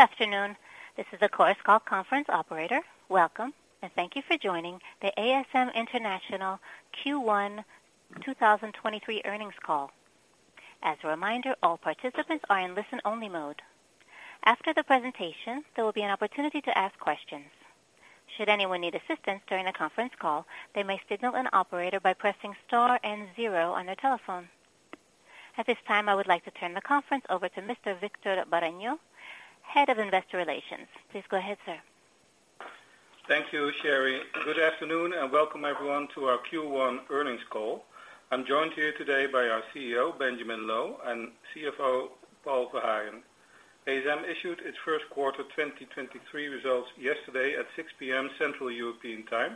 Good afternoon. This is the Chorus Call conference operator. Welcome and thank you for joining the ASM International Q1 2023 earnings call. As a reminder, all participants are in listen-only mode. After the presentation, there will be an opportunity to ask questions. Should anyone need assistance during the conference call, they may signal an operator by pressing star and zero on their telephone. At this time, I would like to turn the conference over to Mr. Victor Bareño, Head of Investor Relations. Please go ahead, sir. Thank you, Sherry. Good afternoon, welcome everyone to our Q1 earnings call. I'm joined here today by our CEO, Benjamin Loh, and CFO, Paul Verhagen. ASM issued its first quarter 2023 results yesterday at 6:00 P.M. Central European Time.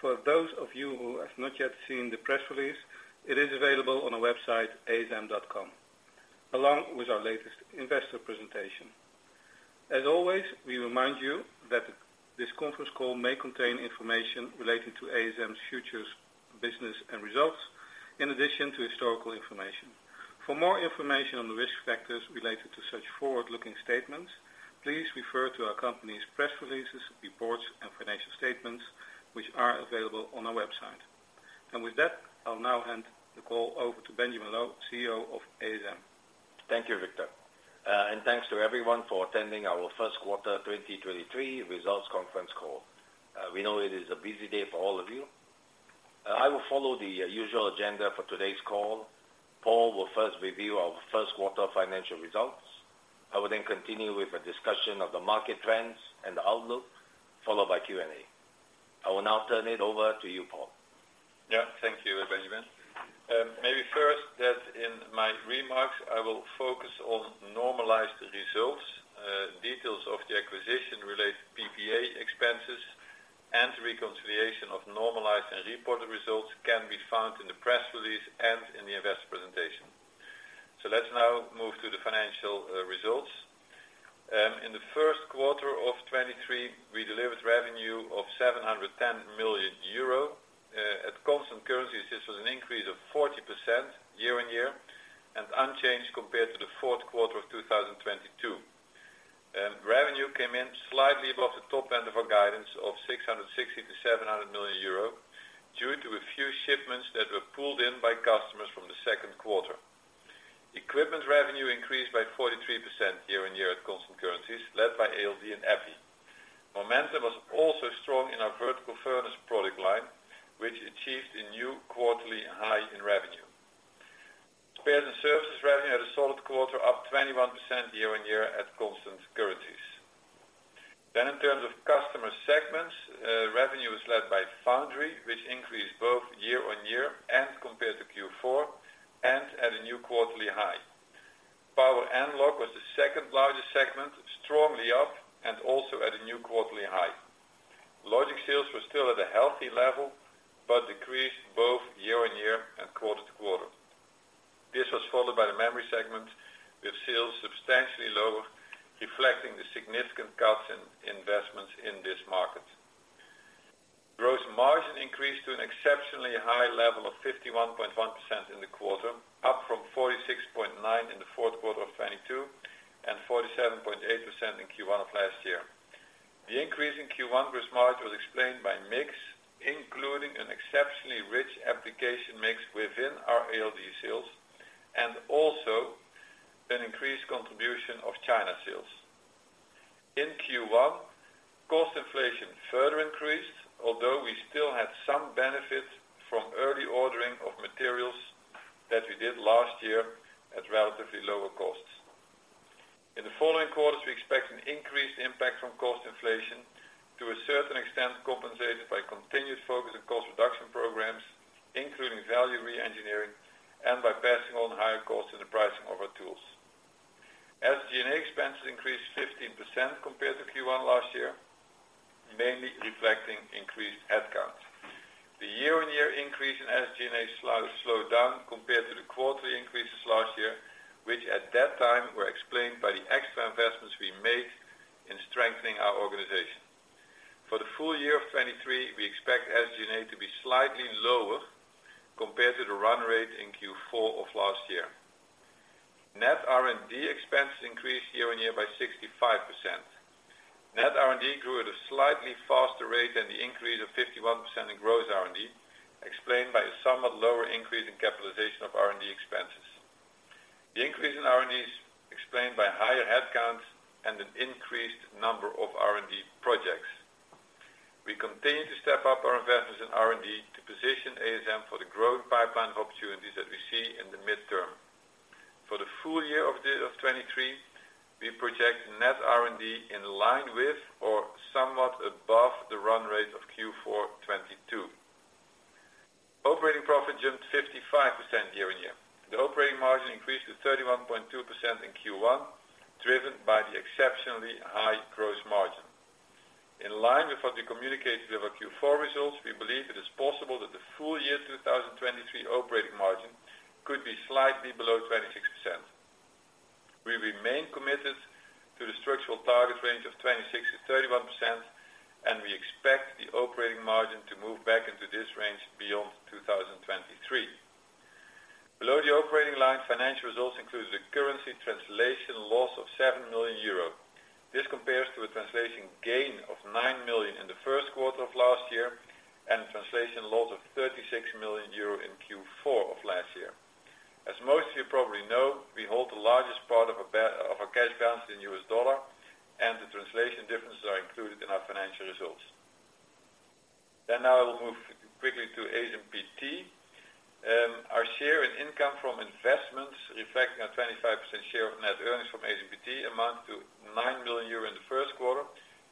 For those of you who have not yet seen the press release, it is available on our website, asm.com, along with our latest investor presentation. As always, we remind you that this conference call may contain information relating to ASM's future business and results in addition to historical information. For more information on the risk factors related to such forward-looking statements, please refer to our company's press releases, reports, and financial statements, which are available on our website. With that, I'll now hand the call over to Benjamin Loh, CEO of ASM. Thank you, Victor. Thanks to everyone for attending our first quarter 2023 results conference call. We know it is a busy day for all of you. I will follow the usual agenda for today's call. Paul will first review our first quarter financial results. I will then continue with a discussion of the market trends and the outlook, followed by Q&A. I will now turn it over to you, Paul. Thank you, Benjamin. Maybe first in my remarks, I will focus on normalized results. Details of the acquisition-related PPA expenses and reconciliation of normalized and reported results can be found in the press release and in the investor presentation. Let's now move to the financial results. In the first quarter of 2023, we delivered revenue of 710 million euro. At constant currencies, this was an increase of 40% year-over-year and unchanged compared to the fourth quarter of 2022. Revenue came in slightly above the top end of our guidance of 660 million-700 million euro due to a few shipments that were pulled in by customers from the second quarter. Equipment revenue increased by 43% year-over-year at constant currencies, led by ALD and Epi. Momentum was also strong in our vertical furnace product line, which achieved a new quarterly high in revenue. Spares and services revenue had a solid quarter, up 21% year-over-year at constant currencies. In terms of customer segments, revenue was led by foundry, which increased both year-over-year and compared to Q4 and at a new quarterly high. Power analog was the second largest segment, strongly up and also at a new quarterly high. Logic sales were still at a healthy level, but decreased both year-over-year and quarter-over-quarter. This was followed by the memory segment, with sales substantially lower, reflecting the significant cuts in investments in this market. Gross margin increased to an exceptionally high level of 51.1% in the quarter, up from 46.9% in the fourth quarter of 2022 and 47.8% in Q1 of last year. The increase in Q1 gross margin was explained by mix, including an exceptionally rich application mix within our ALD sales and also an increased contribution of China sales. In Q1, cost inflation further increased, although we still had some benefit from early ordering of materials that we did last year at relatively lower costs. In the following quarters, we expect an increased impact from cost inflation to a certain extent compensated by continued focus on cost reduction programs, including value reengineering and by passing on higher costs in the pricing of our tools. SG&A expenses increased 15% compared to Q1 last year, mainly reflecting increased headcount. The year-over-year increase in SG&A slowed down compared to the quarterly increases last year, which at that time were explained by the extra investments we made in strengthening our organization. For the full year of 2023, we expect SG&A to be slightly lower compared to the run rate in Q4 of last year. Net R&D expenses increased year-over-year by 65%. Net R&D grew at a slightly faster rate than the increase of 51% in gross R&D, explained by a somewhat lower increase in capitalization of R&D expenses. The increase in R&D is explained by higher headcounts and an increased number of R&D projects. We continue to step up our investments in R&D to position ASM for the growth pipeline of opportunities that we see in the midterm. For the full year of 2023, we project net R&D in line with or somewhat above the run rate of Q4 2022. Operating profit jumped 55% year-over-year. The operating margin increased to 31.2% in Q1, driven by the exceptionally high gross margin. In line with what we communicated with our Q4 results, we believe it is possible that the full year 2023 operating margin could be slightly below 26%. We remain committed to the structural target range of 26%-31%, we expect the operating margin to move back into this range beyond 2023. Below the operating line, financial results includes a currency translation loss of 7 million euro. This compares to a translation gain of 9 million in the first quarter of last year, Translation loss of 36 million euro in Q4 of last year. As most of you probably know, we hold the largest part of a cash balance in U.S. dollar, the translation differences are included in our financial results. Now we'll move quickly to ASMPT. Our share in income from investments reflecting our 25% share of net earnings from ASMPT amount to 9 million euro in the first quarter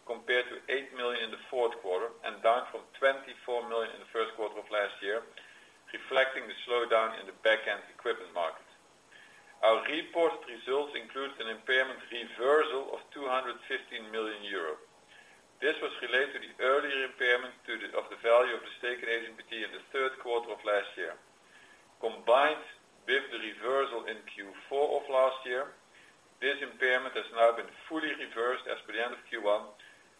compared to 8 million in the fourth quarter, and down from 24 million in the first quarter of last year, reflecting the slowdown in the back-end equipment market. Our reported results include an impairment reversal of 215 million euro. This was related to the earlier impairment of the value of the stake in ASMPT in the third quarter of last year. Combined with the reversal in Q4 of last year, this impairment has now been fully reversed as per the end of Q1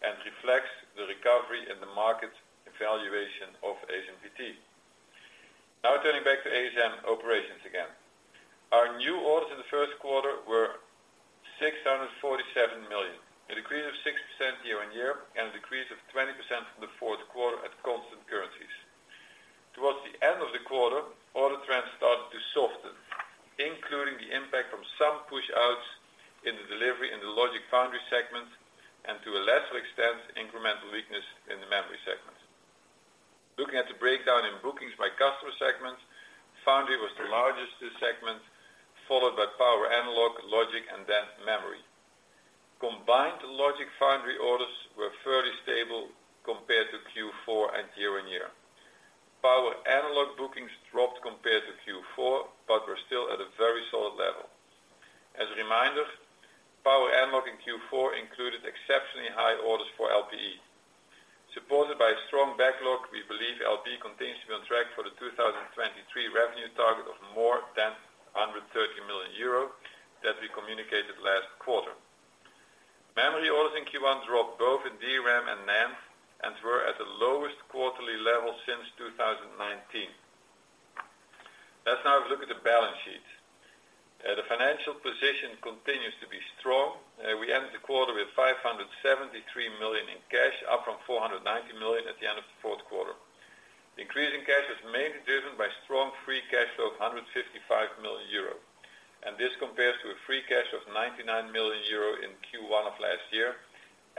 and reflects the recovery in the market valuation of ASMPT. Now turning back to ASM operations again. Our new orders in the first quarter were 647 million, a decrease of 6% year-on-year, and a decrease of 20% from the fourth quarter at constant currencies. Towards the end of the quarter, order trends started to soften, including the impact from some pushouts in the delivery in the logic foundry segment, and to a lesser extent, incremental weakness in the memory segment. Looking at the breakdown in bookings by customer segments, foundry was the largest segment, followed by power analog, logic, and then memory. Combined logic foundry orders were fairly stable compared to Q4 and year-on-year. Power analog bookings dropped compared to Q4, but were still at a very solid level. As a reminder, power analog in Q4 included exceptionally high orders for LPE. Supported by a strong backlog, we believe LPE continues to be on track for the 2023 revenue target of more than 130 million euro that we communicated last quarter. Memory orders in Q1 dropped both in DRAM and NAND and were at the lowest quarterly level since 2019. Let's now have a look at the balance sheet. The financial position continues to be strong. We ended the quarter with 573 million in cash, up from 490 million at the end of the fourth quarter. Increasing cash was mainly driven by strong free cash flow of 155 million euro, this compares to a free cash of 99 million euro in Q1 of last year,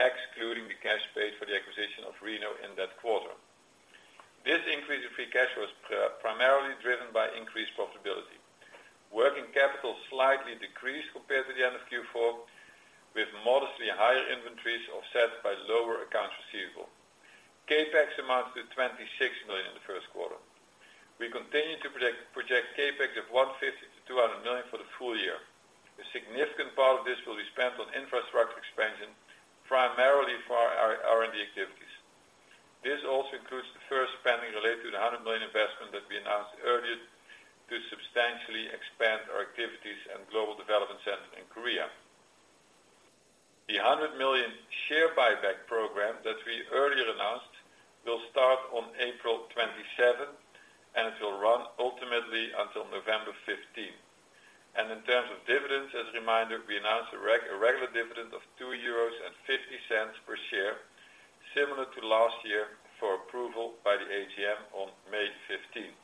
excluding the cash paid for the acquisition of Reno in that quarter. This increase in free cash was primarily driven by increased profitability. Working capital slightly decreased compared to the end of Q4, with modestly higher inventories offset by lower accounts receivable. CapEx amounts to 26 million in the first quarter. We continue to project CapEx of 150 million-200 million for the full year. A significant part of this will be spent on infrastructure expansion, primarily for our R&D activities. This also includes the first spending related to the 100 million investment that we announced earlier to substantially expand our activities and global development centers in Korea. The 100 million share buyback program that we earlier announced will start on April 27th, and it will run ultimately until November 15th. In terms of dividends, as a reminder, we announced a regular dividend of 2.50 euros per share, similar to last year for approval by the AGM on May 15th.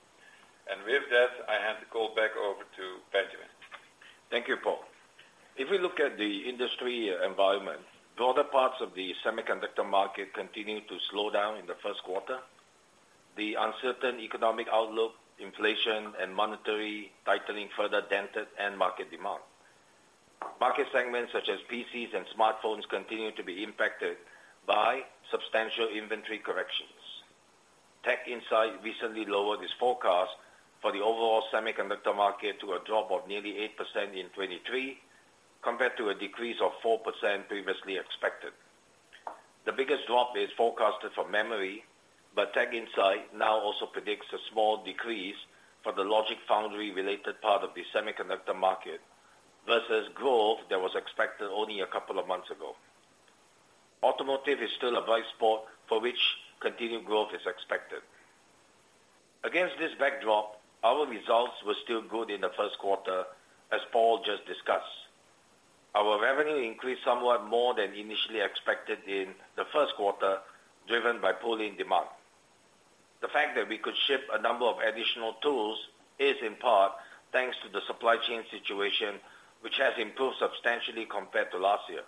With that, I hand the call back over to Benjamin. Thank you, Paul. If we look at the industry environment, broader parts of the semiconductor market continued to slow down in the first quarter. The uncertain economic outlook, inflation, and monetary tightening further dented end market demand. Market segments such as PCs and smartphones continued to be impacted by substantial inventory corrections. TechInsights recently lowered its forecast for the overall semiconductor market to a drop of nearly 8% in 2023, compared to a decrease of 4% previously expected. The biggest drop is forecasted for memory, but TechInsights now also predicts a small decrease for the logic foundry-related part of the semiconductor market versus growth that was expected only a couple of months ago. Automotive is still a bright spot for which continued growth is expected. Against this backdrop, our results were still good in the first quarter, as Paul just discussed. Our revenue increased somewhat more than initially expected in the first quarter, driven by pull-in demand. The fact that we could ship a number of additional tools is in part thanks to the supply chain situation, which has improved substantially compared to last year.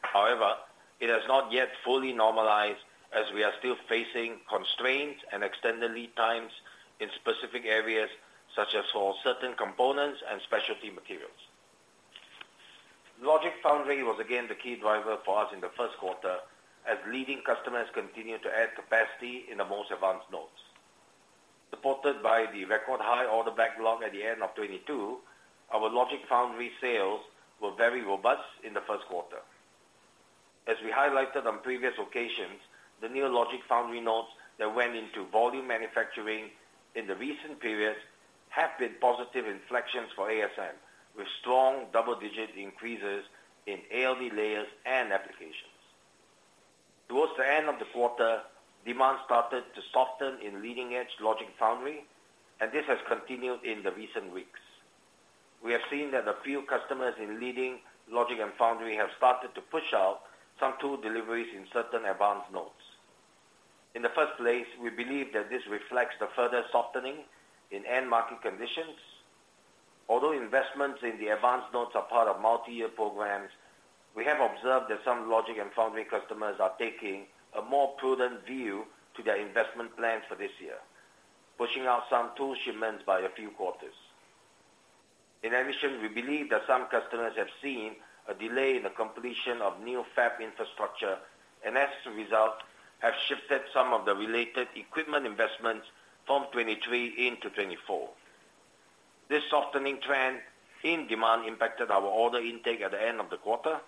However, it has not yet fully normalized as we are still facing constraints and extended lead times in specific areas such as for certain components and specialty materials. Logic foundry was again the key driver for us in the first quarter as leading customers continued to add capacity in the most advanced nodes. Supported by the record high order backlog at the end of 2022, our logic foundry sales were very robust in the first quarter. As we highlighted on previous occasions, the new logic foundry nodes that went into volume manufacturing in the recent periods have been positive inflections for ASM, with strong double-digit increases in ALD layers and applications. Towards the end of the quarter, demand started to soften in leading-edge logic foundry. This has continued in the recent weeks. We have seen that a few customers in leading logic and foundry have started to push out some tool deliveries in certain advanced nodes. In the first place, we believe that this reflects the further softening in end market conditions. Although investments in the advanced nodes are part of multi-year programs, we have observed that some logic and foundry customers are taking a more prudent view to their investment plans for this year, pushing out some tool shipments by a few quarters. We believe that some customers have seen a delay in the completion of new fab infrastructure, and as a result, have shifted some of the related equipment investments from 2023 into 2024. This softening trend in demand impacted our order intake at the end of the quarter.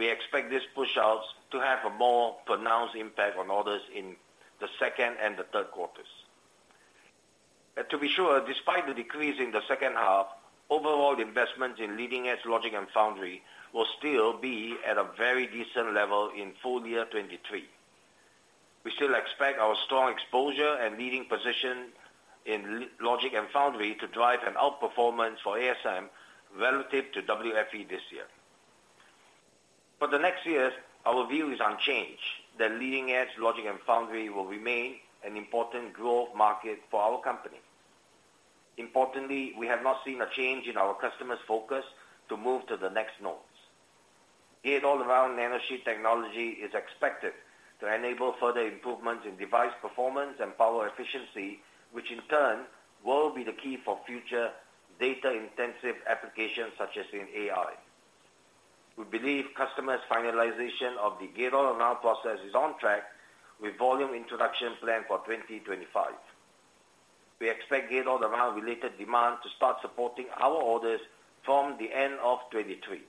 We expect these push outs to have a more pronounced impact on orders in the second and the third quarters. To be sure, despite the decrease in the second half, overall investment in leading-edge logic and foundry will still be at a very decent level in full year 2023. We still expect our strong exposure and leading position in logic and foundry to drive an outperformance for ASM relative to WFE this year. For the next years, our view is unchanged, that leading-edge logic and foundry will remain an important growth market for our company. Importantly, we have not seen a change in our customers' focus to move to the next nodes. gate-all-around nanosheet technology is expected to enable further improvements in device performance and power efficiency, which in turn will be the key for future data-intensive applications, such as in AI. We believe customers' finalization of the gate-all-around process is on track with volume introduction plan for 2025. We expect gate-all-around related demand to start supporting our orders from the end of 2023.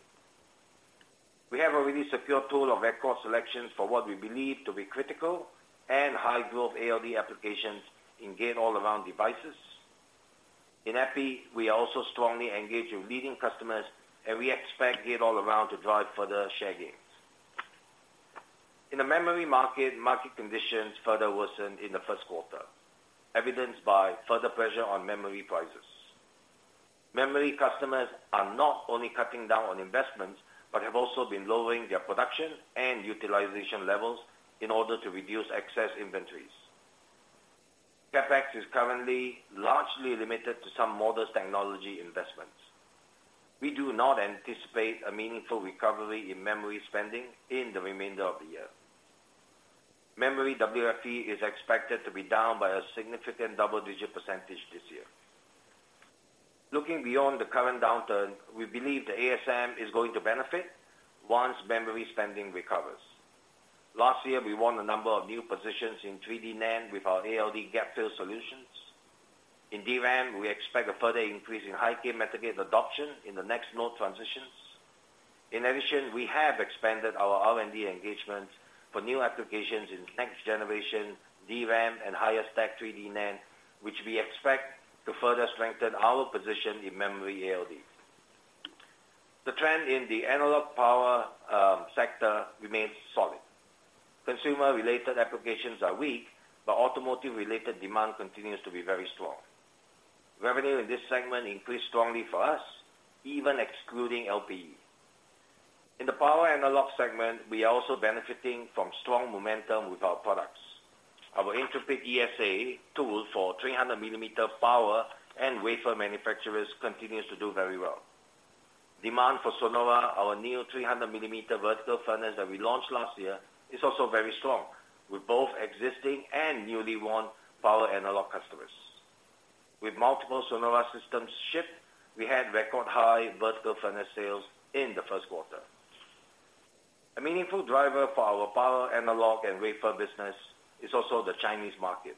We have a really secure tool of record selections for what we believe to be critical and high-growth ALD applications in gate-all-around devices. In Epi, we are also strongly engaged with leading customers, and we expect gate-all-around to drive further share gains. In the memory market conditions further worsened in the first quarter, evidenced by further pressure on memory prices. Memory customers are not only cutting down on investments, but have also been lowering their production and utilization levels in order to reduce excess inventories. CapEx is currently largely limited to some modest technology investments. We do not anticipate a meaningful recovery in memory spending in the remainder of the year. Memory WFE is expected to be down by a significant double-digit percentage this year. Looking beyond the current downturn, we believe that ASM is going to benefit once memory spending recovers. Last year, we won a number of new positions in 3D NAND with our ALD gap fill solutions. In DRAM, we expect a further increase in high-k metal gate adoption in the next node transitions. In addition, we have expanded our R&D engagements for new applications in next generation DRAM and higher stack 3D NAND, which we expect to further strengthen our position in memory ALD. The trend in the analog power sector remains solid. Consumer-related applications are weak, but automotive-related demand continues to be very strong. Revenue in this segment increased strongly for us, even excluding LPE. In the power analog segment, we are also benefiting from strong momentum with our products. Our Intrepid ESA tool for 300 mm power and wafer manufacturers continues to do very well. Demand for SONORA, our new 300 mm vertical furnace that we launched last year, is also very strong with both existing and newly won power analog customers. With multiple SONORA systems shipped, we had record high vertical furnace sales in the first quarter. A meaningful driver for our power analog and wafer business is also the Chinese market.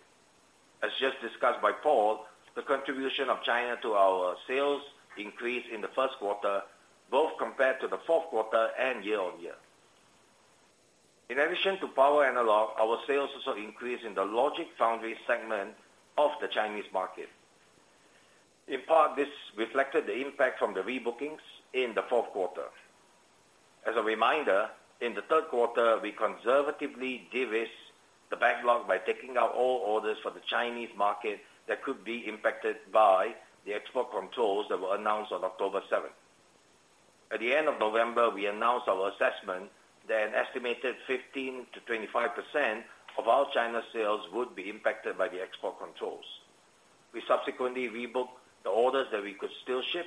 As just discussed by Paul, the contribution of China to our sales increased in the first quarter, both compared to the fourth quarter and year-on-year. In addition to power analog, our sales also increased in the logic foundry segment of the Chinese market. In part, this reflected the impact from the rebookings in the fourth quarter. As a reminder, in the third quarter, we conservatively de-risked the backlog by taking out all orders for the Chinese market that could be impacted by the export controls that were announced on October 7th. At the end of November, we announced our assessment that an estimated 15%-25% of our China sales would be impacted by the export controls. We subsequently rebooked the orders that we could still ship,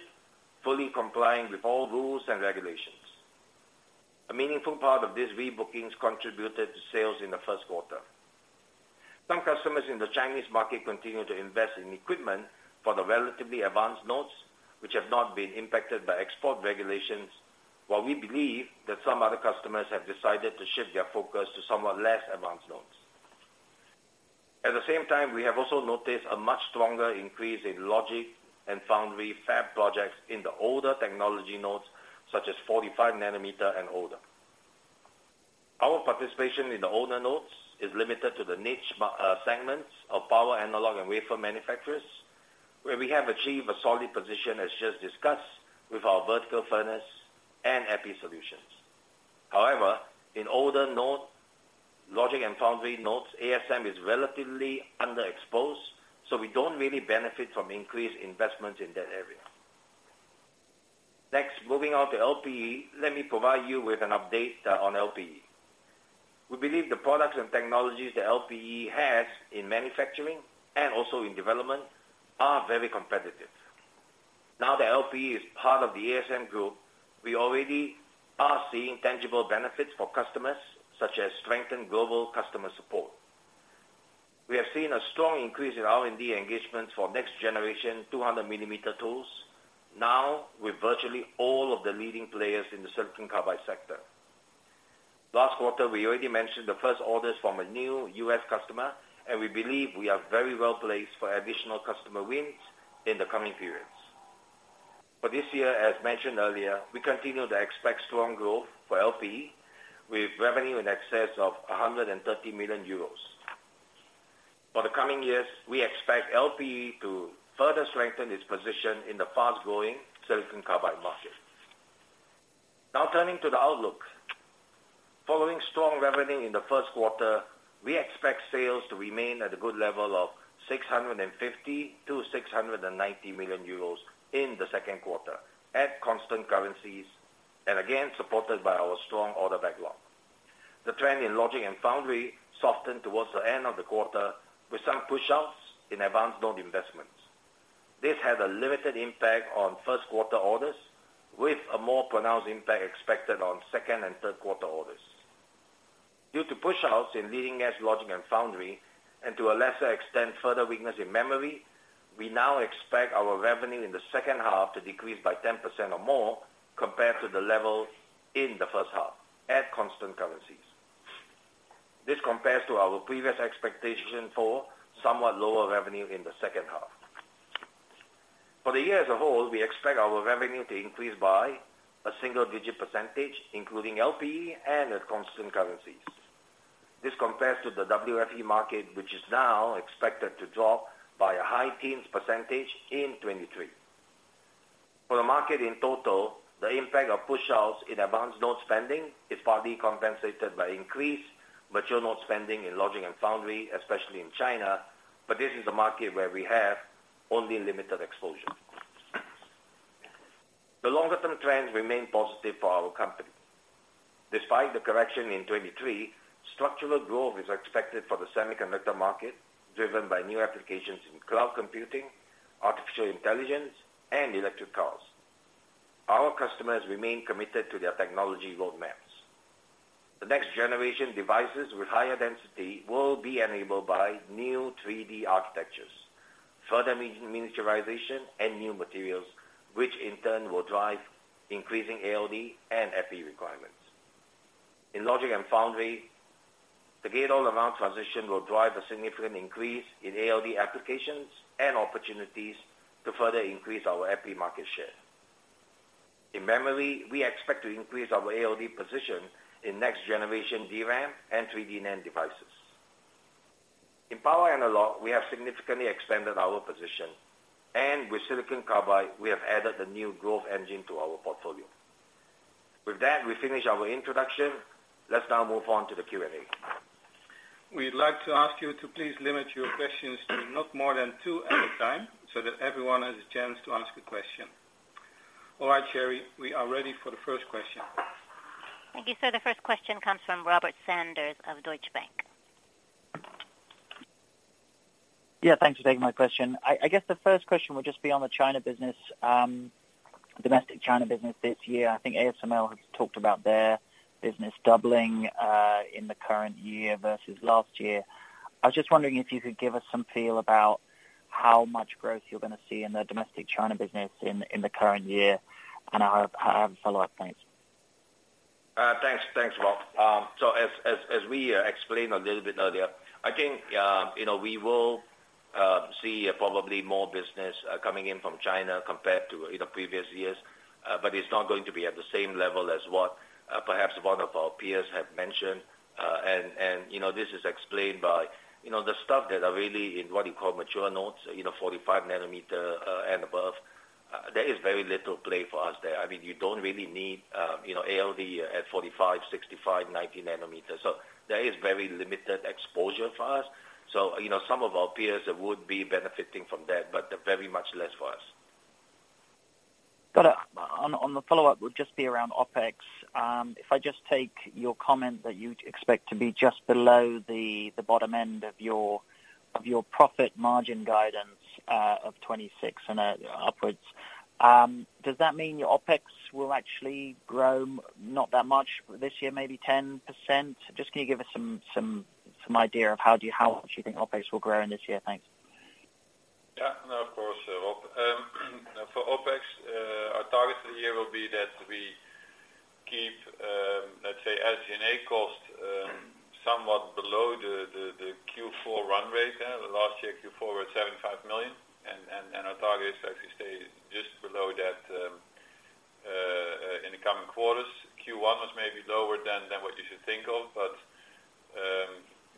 fully complying with all rules and regulations. A meaningful part of these rebookings contributed to sales in the first quarter. Some customers in the Chinese market continue to invest in equipment for the relatively advanced nodes, which have not been impacted by export regulations, while we believe that some other customers have decided to shift their focus to somewhat less advanced nodes. At the same time, we have also noticed a much stronger increase in logic and foundry fab projects in the older technology nodes, such as 45 nm and older. Our participation in the older nodes is limited to the niche segments of power, analog, and wafer manufacturers, where we have achieved a solid position, as just discussed, with our vertical furnace and Epi solutions. In older node, logic and foundry nodes, ASM is relatively underexposed, so we don't really benefit from increased investment in that area. Moving on to LPE. Let me provide you with an update on LPE. We believe the products and technologies that LPE has in manufacturing and also in development are very competitive. Now the LPE is part of the ASM group, we already are seeing tangible benefits for customers, such as strengthened global customer support. We have seen a strong increase in R&D engagements for next generation 200 mm tools, now with virtually all of the leading players in the silicon carbide sector. Last quarter, we already mentioned the first orders from a new U.S. customer, and we believe we are very well-placed for additional customer wins in the coming periods. For this year, as mentioned earlier, we continue to expect strong growth for LPE, with revenue in excess of 130 million euros. For the coming years, we expect LPE to further strengthen its position in the fast-growing silicon carbide market. Now turning to the outlook. Following strong revenue in the first quarter, we expect sales to remain at a good level of 650 million-690 million euros in the second quarter at constant currencies, again, supported by our strong order backlog. The trend in logic and foundry softened towards the end of the quarter, with some pushouts in advanced node investments. This had a limited impact on first quarter orders, with a more pronounced impact expected on second and third quarter orders. Due to pushouts in leading-edge logic and foundry, and to a lesser extent, further weakness in memory, we now expect our revenue in the second half to decrease by 10% or more compared to the level in the first half at constant currencies. This compares to our previous expectation for somewhat lower revenue in the second half. For the year as a whole, we expect our revenue to increase by a single-digit percentage, including LPE and at constant currencies. This compares to the WFE market, which is now expected to drop by a high teens percentage in 2023. For the market in total, the impact of pushouts in advanced node spending is partly compensated by increased mature node spending in logic and foundry, especially in China, but this is a market where we have only limited exposure. The longer term trends remain positive for our company. Despite the correction in 2023, structural growth is expected for the semiconductor market, driven by new applications in cloud computing, artificial intelligence and electric cars. Our customers remain committed to their technology roadmaps. The next generation devices with higher density will be enabled by new 3D architectures, further miniaturization and new materials, which in turn will drive increasing ALD and Epi requirements. In logic and foundry, the gate-all-around transition will drive a significant increase in ALD applications and opportunities to further increase our Epi market share. In memory, we expect to increase our ALD position in next-generation DRAM and 3D NAND devices. In power analog, we have significantly expanded our position. With silicon carbide, we have added a new growth engine to our portfolio. With that, we finish our introduction. Let's now move on to the Q&A. We'd like to ask you to please limit your questions to not more than two at a time, so that everyone has a chance to ask a question. All right, Sherry, we are ready for the first question. Thank you, sir. The first question comes from Robert Sanders of Deutsche Bank. Yeah, thanks for taking my question. I guess the first question would just be on the China business, domestic China business this year. I think ASML has talked about their business doubling in the current year versus last year. I was just wondering if you could give us some feel about how much growth you're gonna see in the domestic China business in the current year, I have a follow-up. Thanks. Thanks. Thanks, Robert. As we explained a little bit earlier, I think, you know, we will see probably more business coming in from China compared to, you know, previous years. It's not going to be at the same level as what perhaps one of our peers have mentioned. You know, this is explained by, you know, the stuff that are really in what you call mature nodes, you know, 45 nm and above, there is very little play for us there. I mean, you don't really need, you know, ALD at 45 nm, 65 nm, 90 nm. There is very limited exposure for us. You know, some of our peers would be benefiting from that, but they're very much less for us. Got it. On the follow-up would just be around OpEx. If I just take your comment that you expect to be just below the bottom end of your profit margin guidance of 26% and upwards, does that mean your OpEx will actually grow not that much this year, maybe 10%? Just can you give us some idea of how much you think OpEx will grow in this year? Thanks. Yeah. No, of course, Rob. For OpEx, our target for the year will be that we keep, let's say, SG&A costs, somewhat below the Q4 run rate. Last year Q4 was 75 million. Our target is actually Quarters. Q1 was maybe lower than what you should think of.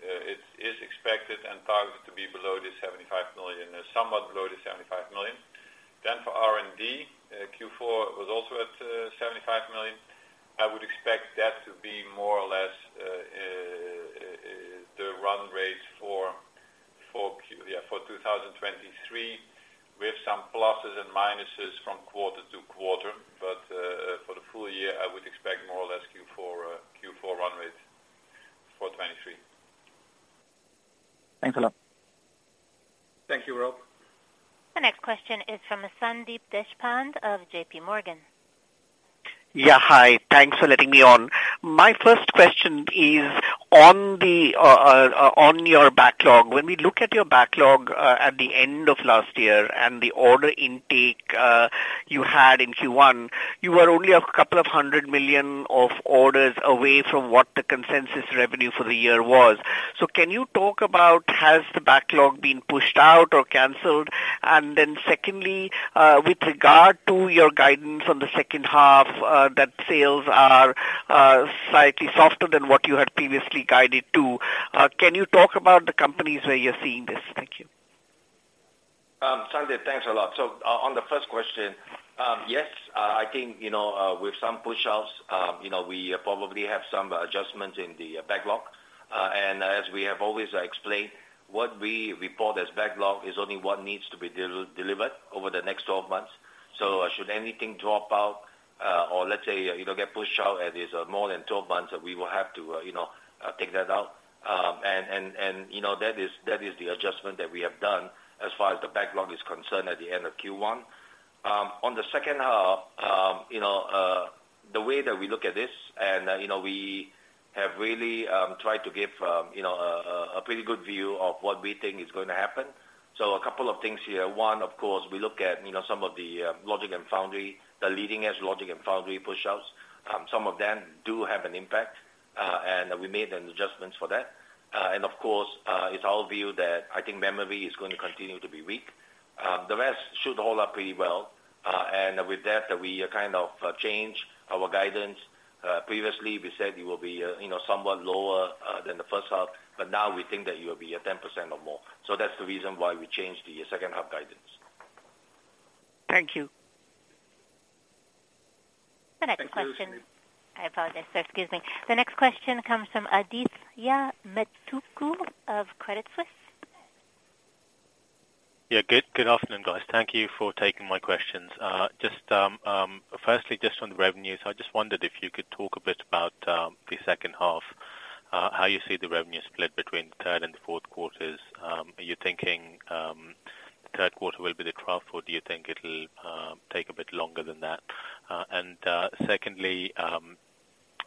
It is expected and targeted to be below the 75 million, somewhat below the 75 million. For R&D, Q4 was also at 75 million. I would expect that to be more or less the run rate for 2023, with some pluses and minuses from quarter to quarter. For the full year, I would expect more or less Q4 run rate for 2023. Thanks a lot. Thank you, Rob. The next question is from Sandeep Deshpande of JPMorgan. Yeah, hi. Thanks for letting me on. My first question is on your backlog. When we look at your backlog, at the end of last year and the order intake, you had in Q1, you were only a couple of hundred million of orders away from what the consensus revenue for the year was. Can you talk about has the backlog been pushed out or canceled? Secondly, with regard to your guidance on the second half, that sales are slightly softer than what you had previously guided to, can you talk about the companies where you're seeing this? Thank you. Sandeep, thanks a lot. On the first question, yes, I think, you know, with some push outs, you know, we probably have some adjustments in the backlog. As we have always explained, what we report as backlog is only what needs to be delivered over the next 12 months. Should anything drop out, or let's say, you know, get pushed out and is more than 12 months, we will have to, you know, take that out. And, you know, that is the adjustment that we have done as far as the backlog is concerned at the end of Q1. On the second half, you know, the way that we look at this, and, you know, we have really tried to give, you know, a pretty good view of what we think is going to happen. A couple of things here. One, of course, we look at, you know, some of the logic and foundry, the leading-edge logic and foundry pushouts. Some of them do have an impact, and we made an adjustments for that. Of course, it's our view that I think memory is going to continue to be weak. The rest should hold up pretty well. With that, we kind of change our guidance. Previously we said it will be, you know, somewhat lower than the first half. Now we think that it will be at 10% or more. That's the reason why we changed the second half guidance. Thank you. The next question. Thank you, Sandeep. I apologize, sir. Excuse me. The next question comes from Adithya Metuku of Credit Suisse. Yeah. Good, good afternoon, guys. Thank you for taking my questions. Just, firstly, just on the revenues, I just wondered if you could talk a bit about the second half, how you see the revenue split between third and fourth quarters. Are you thinking third quarter will be the trough, or do you think it'll take a bit longer than that?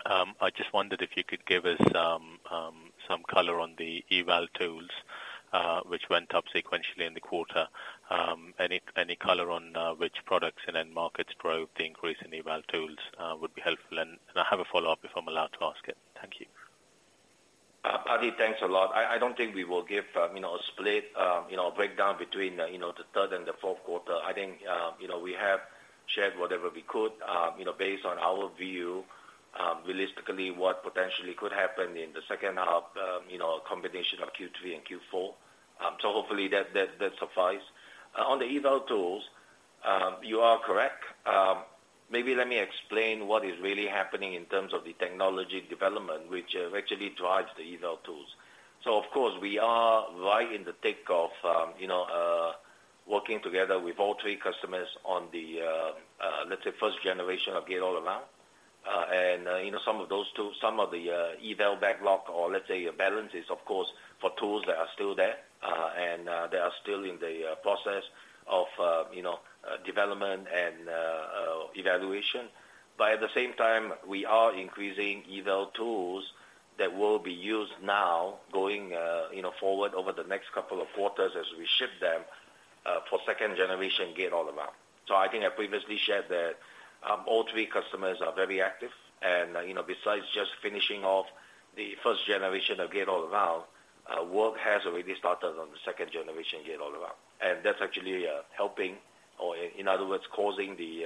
Secondly, I just wondered if you could give us some color on the eval tools, which went up sequentially in the quarter. Any color on which products and end markets drove the increase in eval tools would be helpful. I have a follow-up if I'm allowed to ask it. Thank you. Adi, thanks a lot. I don't think we will give, you know, a split, you know, a breakdown between, you know, the third and the fourth quarter. I think, you know, we have shared whatever we could, you know, based on our view, realistically what potentially could happen in the second half, you know, a combination of Q3 and Q4. Hopefully that suffice. On the eval tools, you are correct. Maybe let me explain what is really happening in terms of the technology development, which actually drives the eval tools. Of course, we are right in the thick of, you know, working together with all three customers on the, let's say 1st-generation of gate-all-around. And, you know, some of those tools, some of the, uh, eval backlog or let's say balances, of course, for tools that are still there, uh, and, uh, they are still in the process of, uh, you know, uh, development and, uh, evaluation. But at the same time, we are increasing eval tools that will be used now going, uh, you know, forward over the next couple of quarters as we ship them, uh, for 2nd-generation gate-all-around. So I think I previously shared that, um, all three customers are very active. And, you know, besides just finishing off the 1st-generation of gate-all-around, uh, work has already started on the 2nd-generation gate-all-around. And that's actually helping, in other words, causing the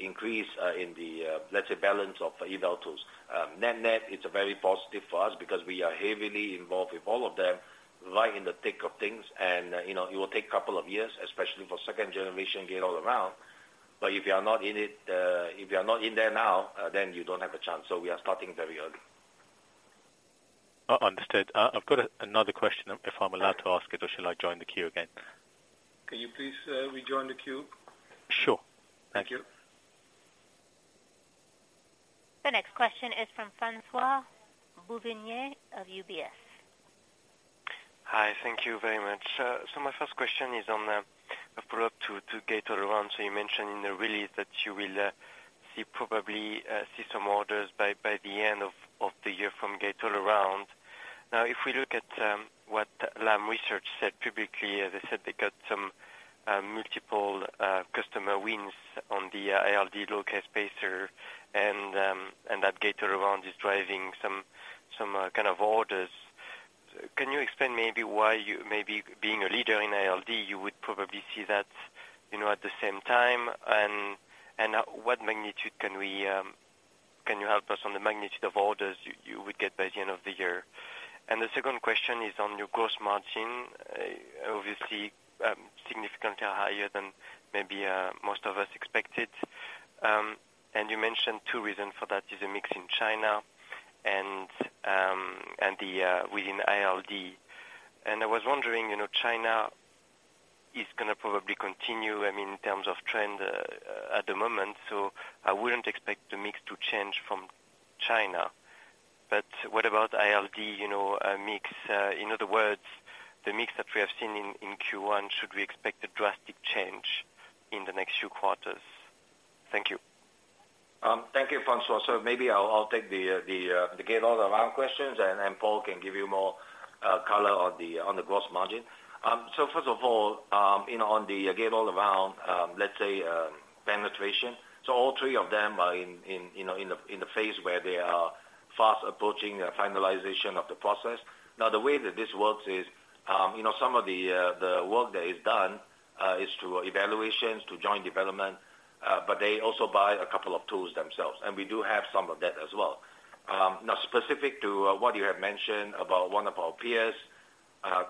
increase in the, let's say, balance of eval tools. Net-net, it's very positive for us because we are heavily involved with all of them right in the thick of things. you know, it will take couple of years, especially for 2nd-generation gate-all-around. if you are not in there now, then you don't have a chance. we are starting very early. Understood. I've got another question if I'm allowed to ask it or shall I join the queue again? Can you please rejoin the queue? Sure. Thank you. The next question is from François Bouvignies of UBS. Hi. Thank you very much. My first question is on a follow-up to gate-all-around. You mentioned in the release that you will see probably some orders by the end of the year from gate-all-around. If we look at what Lam Research said publicly, they said they got some multiple customer wins on the ALD low-k spacer and that gate-all-around is driving some kind of orders. Can you explain maybe why you maybe being a leader in ALD, you would probably see that, you know, at the same time, what magnitude can we, can you help us on the magnitude of orders you would get by the end of the year? The second question is on your gross margin, obviously, significantly higher than maybe most of us expected. You mentioned two reasons for that is a mix in China and within ALD. I was wondering, you know, China is gonna probably continue, I mean, in terms of trend, at the moment, so I wouldn't expect the mix to change from China. What about ALD, you know, mix? In other words, the mix that we have seen in Q1, should we expect a drastic change in the next few quarters? Thank you. Thank you, François. Maybe I'll take the gate-all-around questions and Paul can give you more color on the gross margin. First of all, you know, on the gate-all-around, let's say, penetration. All three of them are in, you know, in the phase where they are fast approaching the finalization of the process. Now, the way that this works is, you know, some of the work that is done is through evaluations, through joint development, but they also buy a couple of tools themselves, and we do have some of that as well. Now specific to what you have mentioned about one of our peers,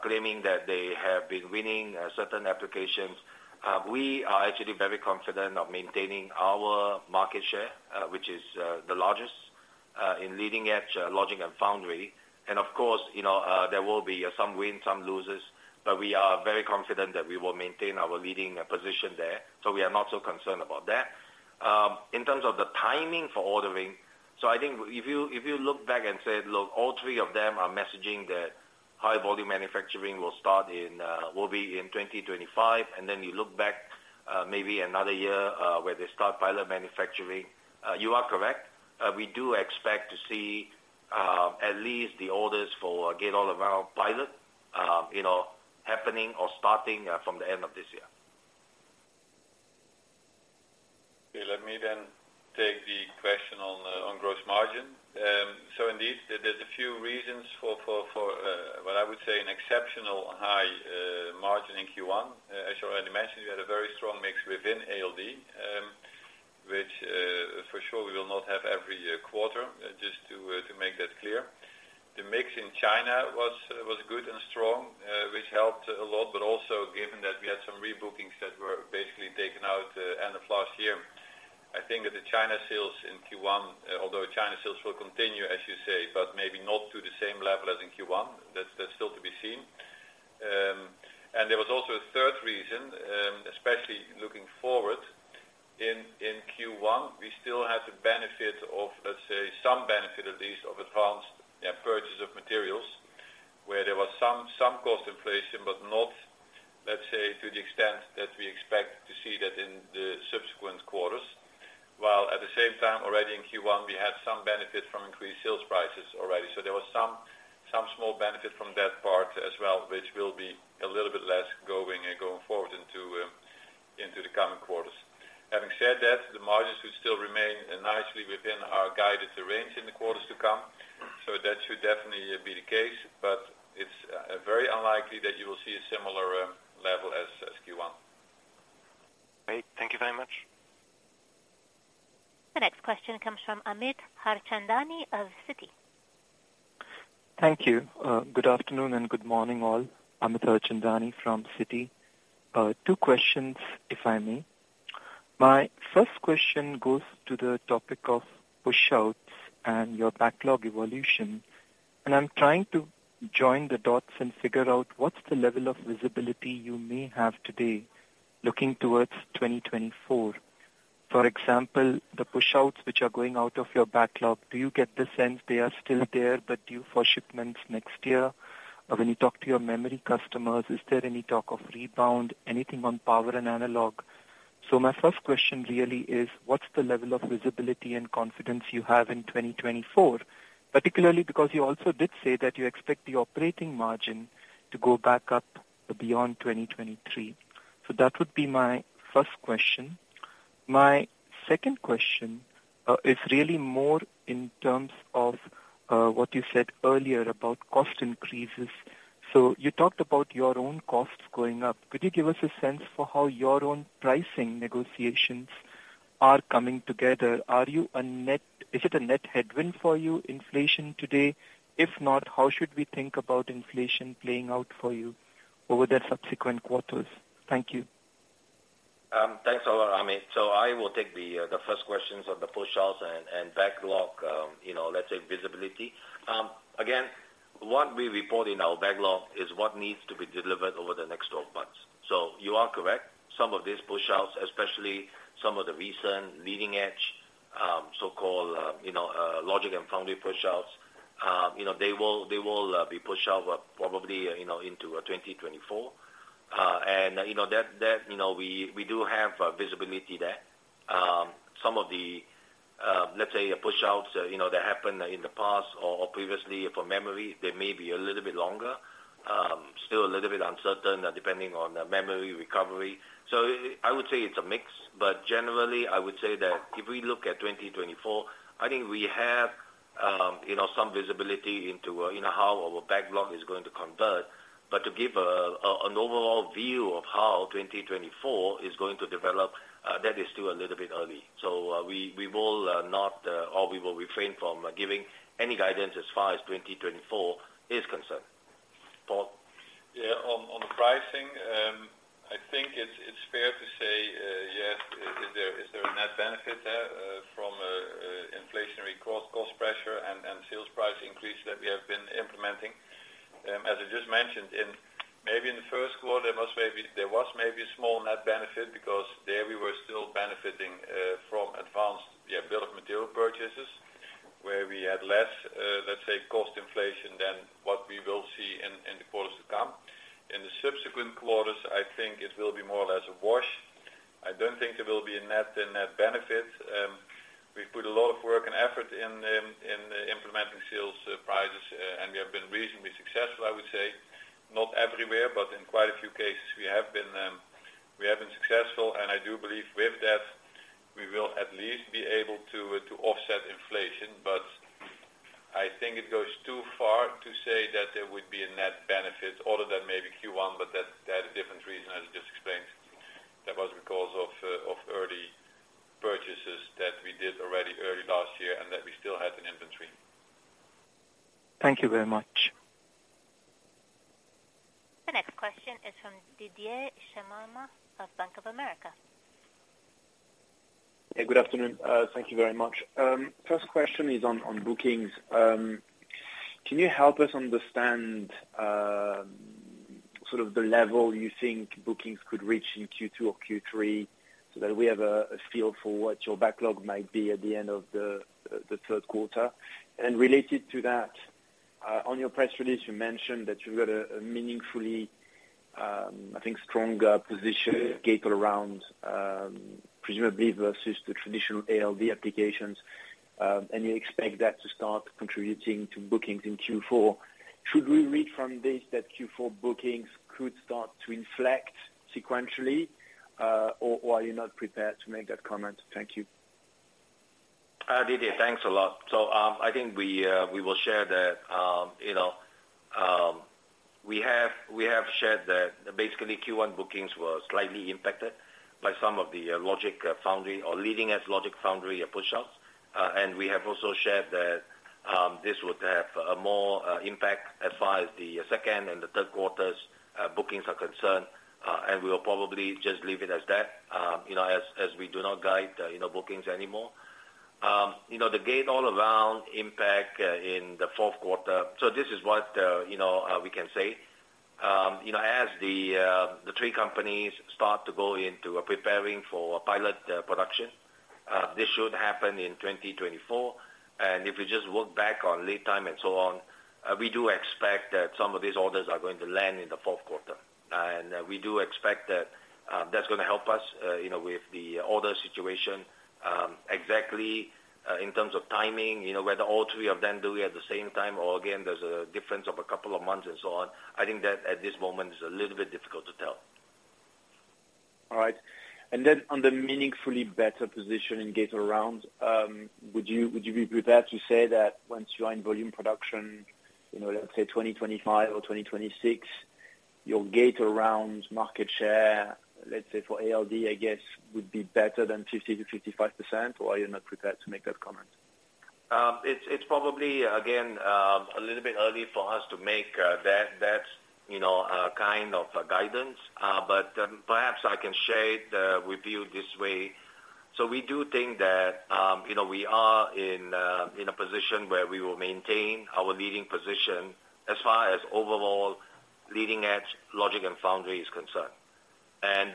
claiming that they have been winning certain applications, we are actually very confident of maintaining our market share, which is the largest in leading edge logic and foundry. Of course, you know, there will be some wins, some loses, but we are very confident that we will maintain our leading position there. We are not so concerned about that. In terms of the timing for ordering. I think if you, if you look back and say, look, all three of them are messaging that high volume manufacturing will start in, will be in 2025, and then you look back, maybe another year, where they start pilot manufacturing. You are correct. We do expect to see, at least the orders for gate-all-around pilot, you know, happening or starting, from the end of this year. Let me then take the question on gross margin. Indeed, there's a few reasons for what I would say an exceptional high margin in Q1. As you already mentioned, we had a very strong mix within ALD, which for sure we will not have every quarter, just to make that clear. The mix in China was good and strong, which helped a lot, but also given that we had some rebookings that were basically taken out end of last year. I think that the China sales in Q1, although China sales will continue, as you say, but maybe not to the same level as in Q1. That's still to be seen. There was also a third reason, especially looking forward in Q1, we still had the benefit of, let's say, some benefit at least of advanced, yeah, purchase of materials, where there was some cost inflation, but not, let's say, to the extent that we expect to see that in the subsequent quarters. While at the same time already in Q1, we had some benefit from increased sales prices already. There was some small benefit from that part as well, which will be a little bit less going forward into the coming quarters. Having said that, the margins should still remain nicely within our guided range in the quarters to come. That should definitely be the case, but it's very unlikely that you will see a similar level as Q1. Great. Thank you very much. The next question comes from Amit Harchandani of Citi. Thank you. Good afternoon and good morning all. Amit Harchandani from Citi. Two questions, if I may. My first question goes to the topic of pushouts and your backlog evolution. I'm trying to join the dots and figure out what's the level of visibility you may have today looking towards 2024. For example, the pushouts which are going out of your backlog, do you get the sense they are still there, but due for shipments next year? When you talk to your memory customers, is there any talk of rebound, anything on power and analog? My first question really is what's the level of visibility and confidence you have in 2024? Particularly because you also did say that you expect the operating margin to go back up beyond 2023. That would be my first question. My second question is really more in terms of what you said earlier about cost increases. You talked about your own costs going up. Could you give us a sense for how your own pricing negotiations are coming together? Is it a net headwind for you, inflation today? If not, how should we think about inflation playing out for you over the subsequent quarters? Thank you. Thanks a lot, Amit. I will take the first questions on the pushouts and backlog, you know, let's say visibility. Again, what we report in our backlog is what needs to be delivered over the next 12 months. You are correct. Some of these pushouts, especially some of the recent leading edge, so-called, you know, logic and foundry pushouts, you know, they will be pushed out probably, you know, into 2024. That, you know, we do have visibility there. Some of the, let's say pushouts, you know, that happened in the past or previously for memory, they may be a little bit longer. Still a little bit uncertain, depending on the memory recovery. I would say it's a mix. Generally, I would say that if we look at 2024, I think we have, you know, some visibility into, you know, how our backlog is going to convert. To give an overall view of how 2024 is going to develop, that is still a little bit early. We, we will not, or we will refrain from giving any guidance as far as 2024 is concerned. Paul? Yeah. On the pricing, I think it's fair to say, yes, is there a net benefit from inflationary cost pressure and sales price increase that we have been implementing? As I just mentioned, maybe in the 1st quarter, there was maybe a small net benefit because there we were still benefiting from advanced bill of material purchases, where we had less, let's say, cost inflation than what we will see in the quarters to come. In the subsequent quarters, I think it will be more or less a wash. I don't think there will be a net benefit. We put a lot of work and effort in implementing sales prices, and we have been reasonably successful, I would say. Not everywhere, but in quite a few cases, we have been, we have been successful. I do believe with that, we will at least be able to offset inflation. I think it goes too far to say that there would be a net benefit other than maybe Q1, but that, they had a different reason, as you just explained. That was because of early purchases that we did already early last year and that we still had in inventory. Thank you very much. The next question is from Didier Scemama of Bank of America. Yeah, good afternoon. Thank you very much. First question is on bookings. Can you help us understand, sort of the level you think bookings could reach in Q2 or Q3, so that we have a feel for what your backlog might be at the end of the third quarter? Related to that, on your press release, you mentioned that you've got a meaningfully, I think, stronger position gate-all-around, presumably versus the traditional ALD applications, and you expect that to start contributing to bookings in Q4. Should we read from this that Q4 bookings could start to inflect sequentially, or are you not prepared to make that comment? Thank you. Didier, thanks a lot. I think we will share that, you know, we have shared that basically Q1 bookings were slightly impacted by some of the logic foundry or leading edge logic foundry pushouts. We have also shared that this would have more impact as far as the second and the third quarters bookings are concerned. We will probably just leave it as that, you know, as we do not guide, you know, bookings anymore. You know, the gate-all-around impact in the fourth quarter. This is what, you know, we can say. You know, as the three companies start to go into preparing for pilot production, this should happen in 2024. If you just work back on lead time and so on, we do expect that some of these orders are going to land in the fourth quarter. We do expect that that's gonna help us, you know, with the order situation. Exactly, in terms of timing, you know, whether all three of them do it at the same time, or again, there's a difference of a couple of months and so on. I think that at this moment is a little bit difficult to tell. All right. On the meaningfully better position in gate-all-around, would you be prepared to say that once you are in volume production, you know, let's say 2025 or 2026, your gate-all-around market share, let's say for ALD, I guess, would be better than 50%-55%, or are you not prepared to make that comment? It's, it's probably, again, a little bit early for us to make that, you know, kind of guidance. Perhaps I can share it with you this way. We do think that, you know, we are in a position where we will maintain our leading position as far as overall leading edge logic and foundry is concerned.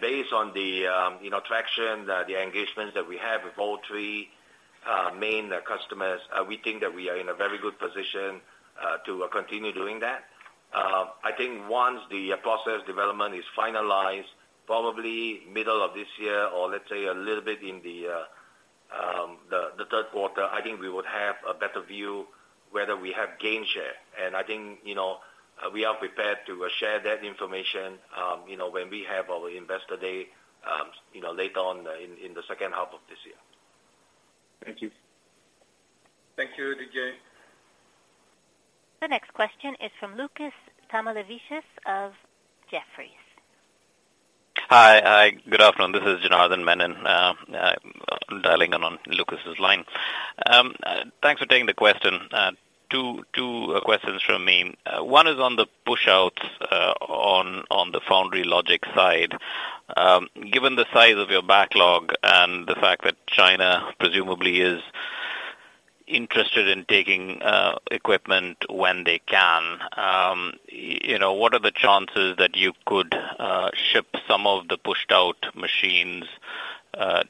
Based on the, you know, traction, the engagements that we have with all three main customers, we think that we are in a very good position to continue doing that. I think once the process development is finalized, probably middle of this year or let's say a little bit in the third quarter, I think we would have a better view whether we have gain share. I think, you know, we are prepared to share that information, you know, when we have our Investor Day, you know, later on in the second half of this year. Thank you. Thank you, Didier. The next question is from Lukas Tamulevičius of Jefferies. Hi. Hi. Good afternoon. This is Janardan Menon. I'm also dialing in on Lukas' line. Thanks for taking the question. Two questions from me. One is on the pushouts on the foundry logic side. Given the size of your backlog and the fact that China presumably is interested in taking equipment when they can, you know, what are the chances that you could ship some of the pushed out machines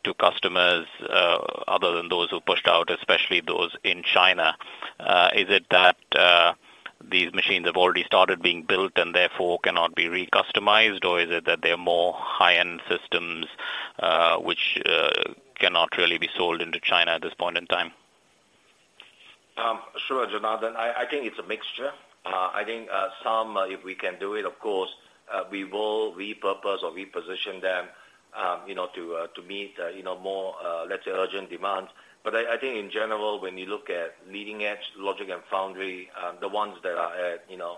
to customers other than those who pushed out, especially those in China? Is it that these machines have already started being built and therefore cannot be re-customized, or is it that they're more high-end systems which cannot really be sold into China at this point in time? Sure, Janardan. I think it's a mixture. I think, some, if we can do it, of course, we will repurpose or reposition them, you know, to meet, you know, more, let's say, urgent demands. I think in general, when you look at leading-edge logic and foundry, the ones that are at, you know,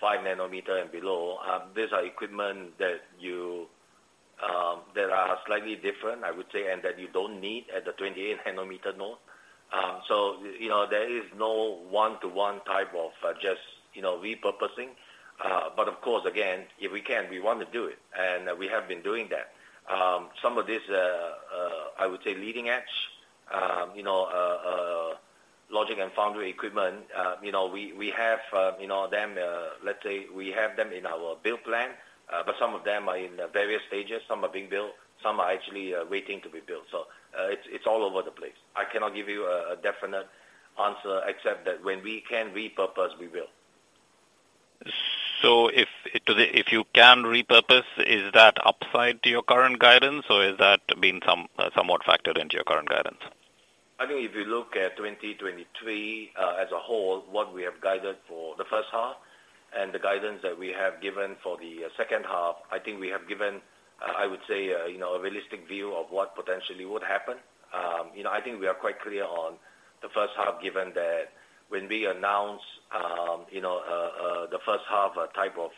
5 nm and below, these are equipment that you, that are slightly different, I would say, and that you don't need at the 28 nm node. You know, there is no one-to-one type of just, you know, repurposing. Of course, again, if we can, we want to do it, and we have been doing that. Some of these, I would say leading-edge, you know, logic and foundry equipment, you know, we have, you know, them, let's say we have them in our build plan, but some of them are in various stages. Some are being built, some are actually, waiting to be built. It's, it's all over the place. I cannot give you a definite answer except that when we can repurpose, we will. If you can repurpose, is that upside to your current guidance, or has that been somewhat factored into your current guidance? I think if you look at 2023 as a whole, what we have guided for the first half and the guidance that we have given for the second half, I think we have given, I would say, you know, a realistic view of what potentially would happen. You know, I think we are quite clear on the first half, given that when we announce, you know, the first half type of,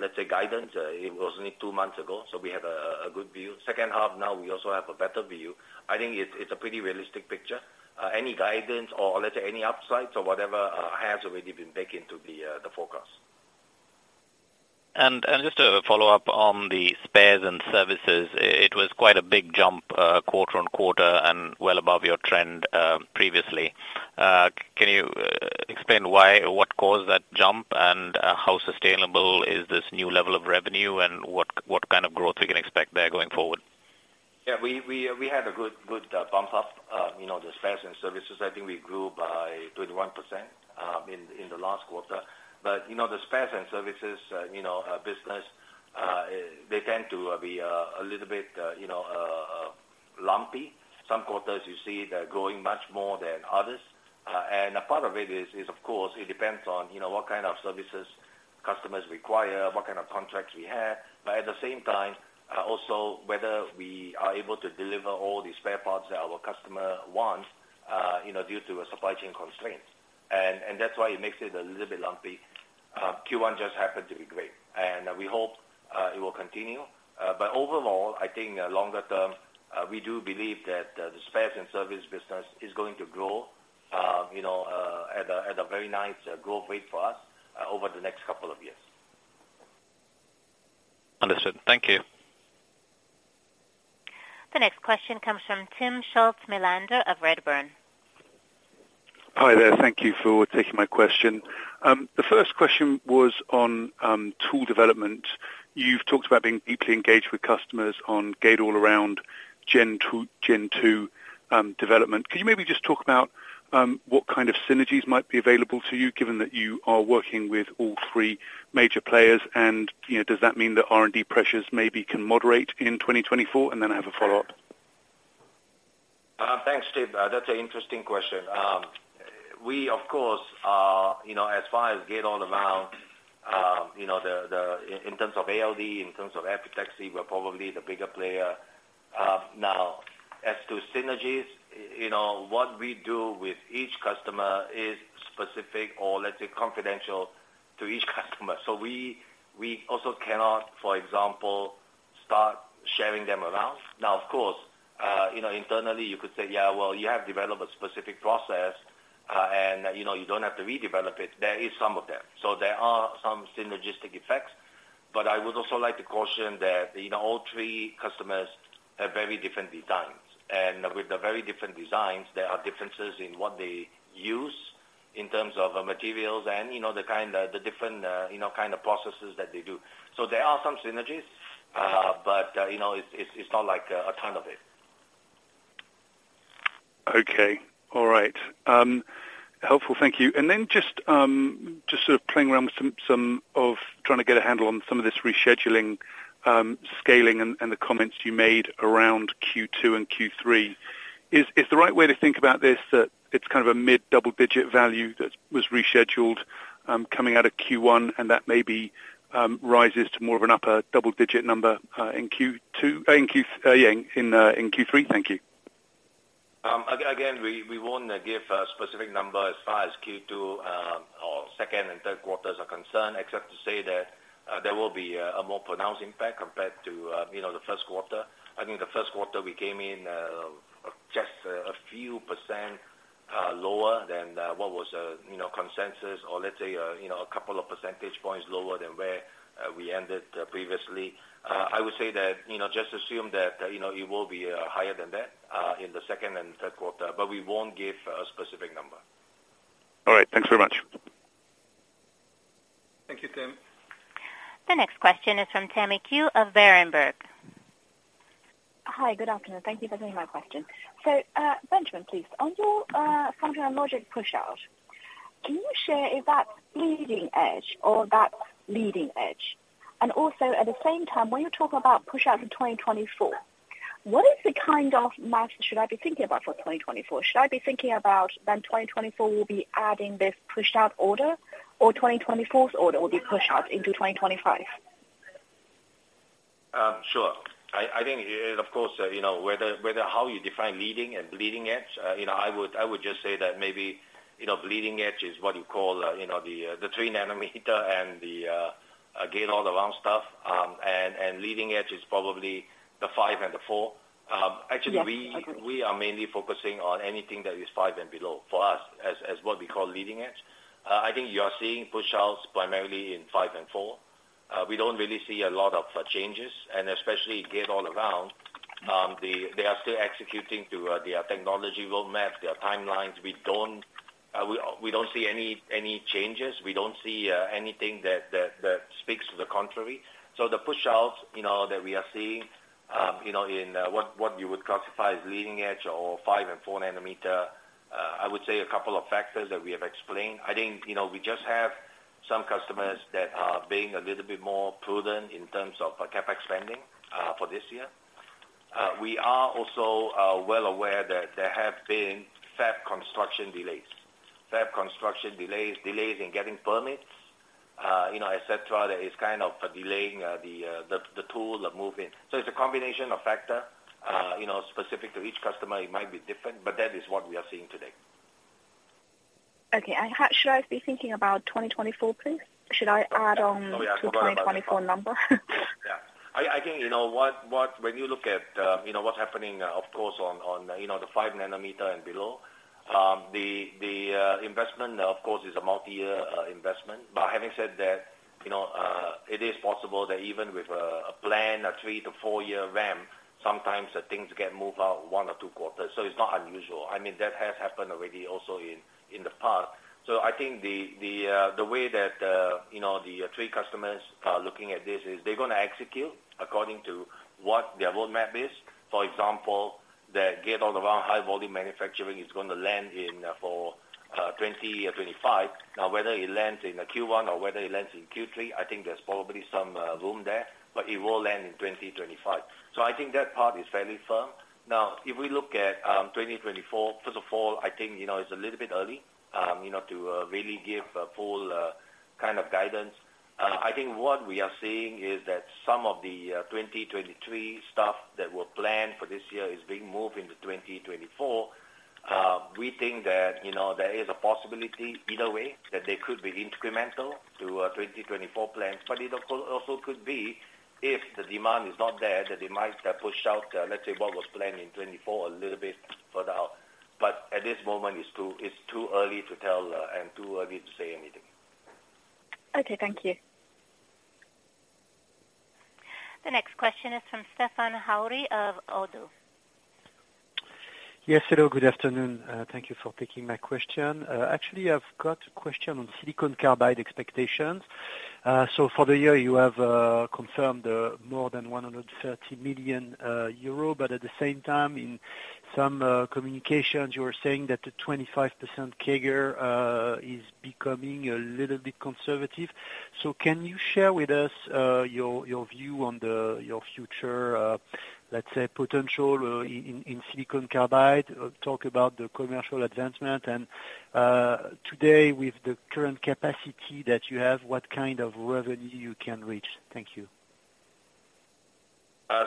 let's say guidance, it was only two months ago, so we have a good view. Second half now, we also have a better view. I think it's a pretty realistic picture. Any guidance or let's say any upsides or whatever has already been baked into the forecast. Just to follow up on the spares and services, it was quite a big jump quarter on quarter and well above your trend previously. Can you explain why or what caused that jump and, how sustainable is this new level of revenue and what kind of growth we can expect there going forward? Yeah. We had a good bump up, you know, the spares and services. I think we grew by 21% in the last quarter. You know, the spares and services, you know, business, they tend to be a little bit, you know, lumpy. Some quarters you see they're growing much more than others. A part of it is of course, it depends on, you know, what kind of services customers require, what kind of contracts we have. At the same time, also whether we are able to deliver all the spare parts that our customer wants, you know, due to supply chain constraints. That's why it makes it a little bit lumpy. Q1 just happened to be great, and we hope it will continue. Overall, I think longer term, we do believe that the spares and service business is going to grow, you know, at a very nice, growth rate for us, over the next couple of years. Understood. Thank you. The next question comes from Timm Schulze-Melander of Redburn. Hi there. Thank you for taking my question. The first question was on tool development. You've talked about being deeply engaged with customers on gate-all-around 2nd-gen development. Could you maybe just talk about what kind of synergies might be available to you, given that you are working with all three major players, and, you know, does that mean that R&D pressures maybe can moderate in 2024? Then I have a follow-up. Thanks, Tim. That's an interesting question. We, of course, are, you know, as far as gate-all-around, you know, the in terms of ALD, in terms of epitaxy, we're probably the bigger player. Now as to synergies, you know, what we do with each customer is specific or let's say confidential to each customer. We also cannot, for example, start sharing them around. Of course, you know, internally you could say, yeah, well, you have developed a specific process, and you know, you don't have to redevelop it. There is some of that. There are some synergistic effects. I would also like to caution that, you know, all three customers have very different designs. With the very different designs, there are differences in what they use in terms of materials and, you know, the kind, the different, you know, kind of processes that they do. There are some synergies, but, you know, it's not like a ton of it. Okay. All right. Helpful. Thank you. Then just sort of playing around with some of trying to get a handle on some of this rescheduling, scaling and the comments you made around Q2 and Q3. Is the right way to think about this that it's kind of a mid-double-digit value that was rescheduled coming out of Q1, and that maybe rises to more of an upper double-digit number in Q3? Thank you. Again, we won't give a specific number as far as Q2 or second and third quarters are concerned, except to say that there will be a more pronounced impact compared to, you know, the first quarter. I think the first quarter we came in just a few percent lower than what was, you know, consensus or let's say, you know, a couple of percentage points lower than where we ended previously. I would say that, you know, just assume that, you know, it will be higher than that in the second and third quarter, but we won't give a specific number. All right. Thanks very much. Thank you, Tim. The next question is from Tammy Qiu of Berenberg. Hi. Good afternoon. Thank you for taking my question. Benjamin, please, on your foundry and logic push out? Can you share if that's leading edge or that's leading edge? Also, at the same time, when you talk about pushout to 2024, what is the kind of margin should I be thinking about for 2024? Should I be thinking about then 2024 will be adding this pushed out order or 2024's order will be pushed out into 2025? Sure. I think, of course, you know, whether how you define leading and bleeding edge, you know, I would, I would just say that maybe, you know, bleeding edge is what you call, you know, the 3 nm and the gate-all-around stuff. And, and leading edge is probably the 5 nm and the 4 nm. Actually we are mainly focusing on anything that is 5 nm and below for us as what we call leading edge. I think you are seeing pushouts primarily in 5 nm and 4 nm. We don't really see a lot of changes, and especially gate-all-around, They are still executing to their technology roadmap, their timelines. We don't, we don't see any changes. We don't see anything that speaks to the contrary. The pushouts, you know, that we are seeing, you know, in what you would classify as leading edge or 5 nm and 4 nm, I would say a couple of factors that we have explained. I think, you know, we just have some customers that are being a little bit more prudent in terms of CapEx spending for this year. We are also well aware that there have been fab construction delays. Fab construction delays in getting permits, you know, et cetera, that is kind of delaying the tool, the move-in. It's a combination of factor, you know, specific to each customer, it might be different, but that is what we are seeing today. Okay. Should I be thinking about 2024, please? Should I add on to the 2024 number? Yeah. I think, you know, what, when you look at, you know, what's happening, of course, on, you know, the 5 nm and below, the investment, of course, is a multiyear investment. Having said that, you know, it is possible that even with a plan, a three to four-year ramp, sometimes things get moved out one or two quarters. It's not unusual. I mean, that has happened already also in the past. I think the way that, you know, the three customers are looking at this is they're gonna execute according to what their roadmap is. For example, the gate-all-around high volume manufacturing is gonna land in for 2025. Whether it lands in Q1 or whether it lands in Q3, I think there's probably some room there, but it will land in 2025. I think that part is fairly firm. If we look at 2024, first of all, I think, you know, it's a little bit early, you know, to really give a full, kind of guidance. I think what we are seeing is that some of the 2023 stuff that were planned for this year is being moved into 2024. We think that, you know, there is a possibility either way that they could be incremental to 2024 plans, but it also could be if the demand is not there, that they might push out, let's say, what was planned in 2024 a little bit further out. At this moment, it's too early to tell, and too early to say anything. Okay. Thank you. The next question is from Stéphane Houri of ODDO. Yes. Hello, good afternoon. Thank you for taking my question. Actually, I've got a question on silicon carbide expectations. For the year, you have confirmed more than 130 million euro, but at the same time, in some communications, you were saying that the 25% CAGR is becoming a little bit conservative. Can you share with us your view on your future, let's say, potential in silicon carbide? Talk about the commercial advancement and today with the current capacity that you have, what kind of revenue you can reach. Thank you.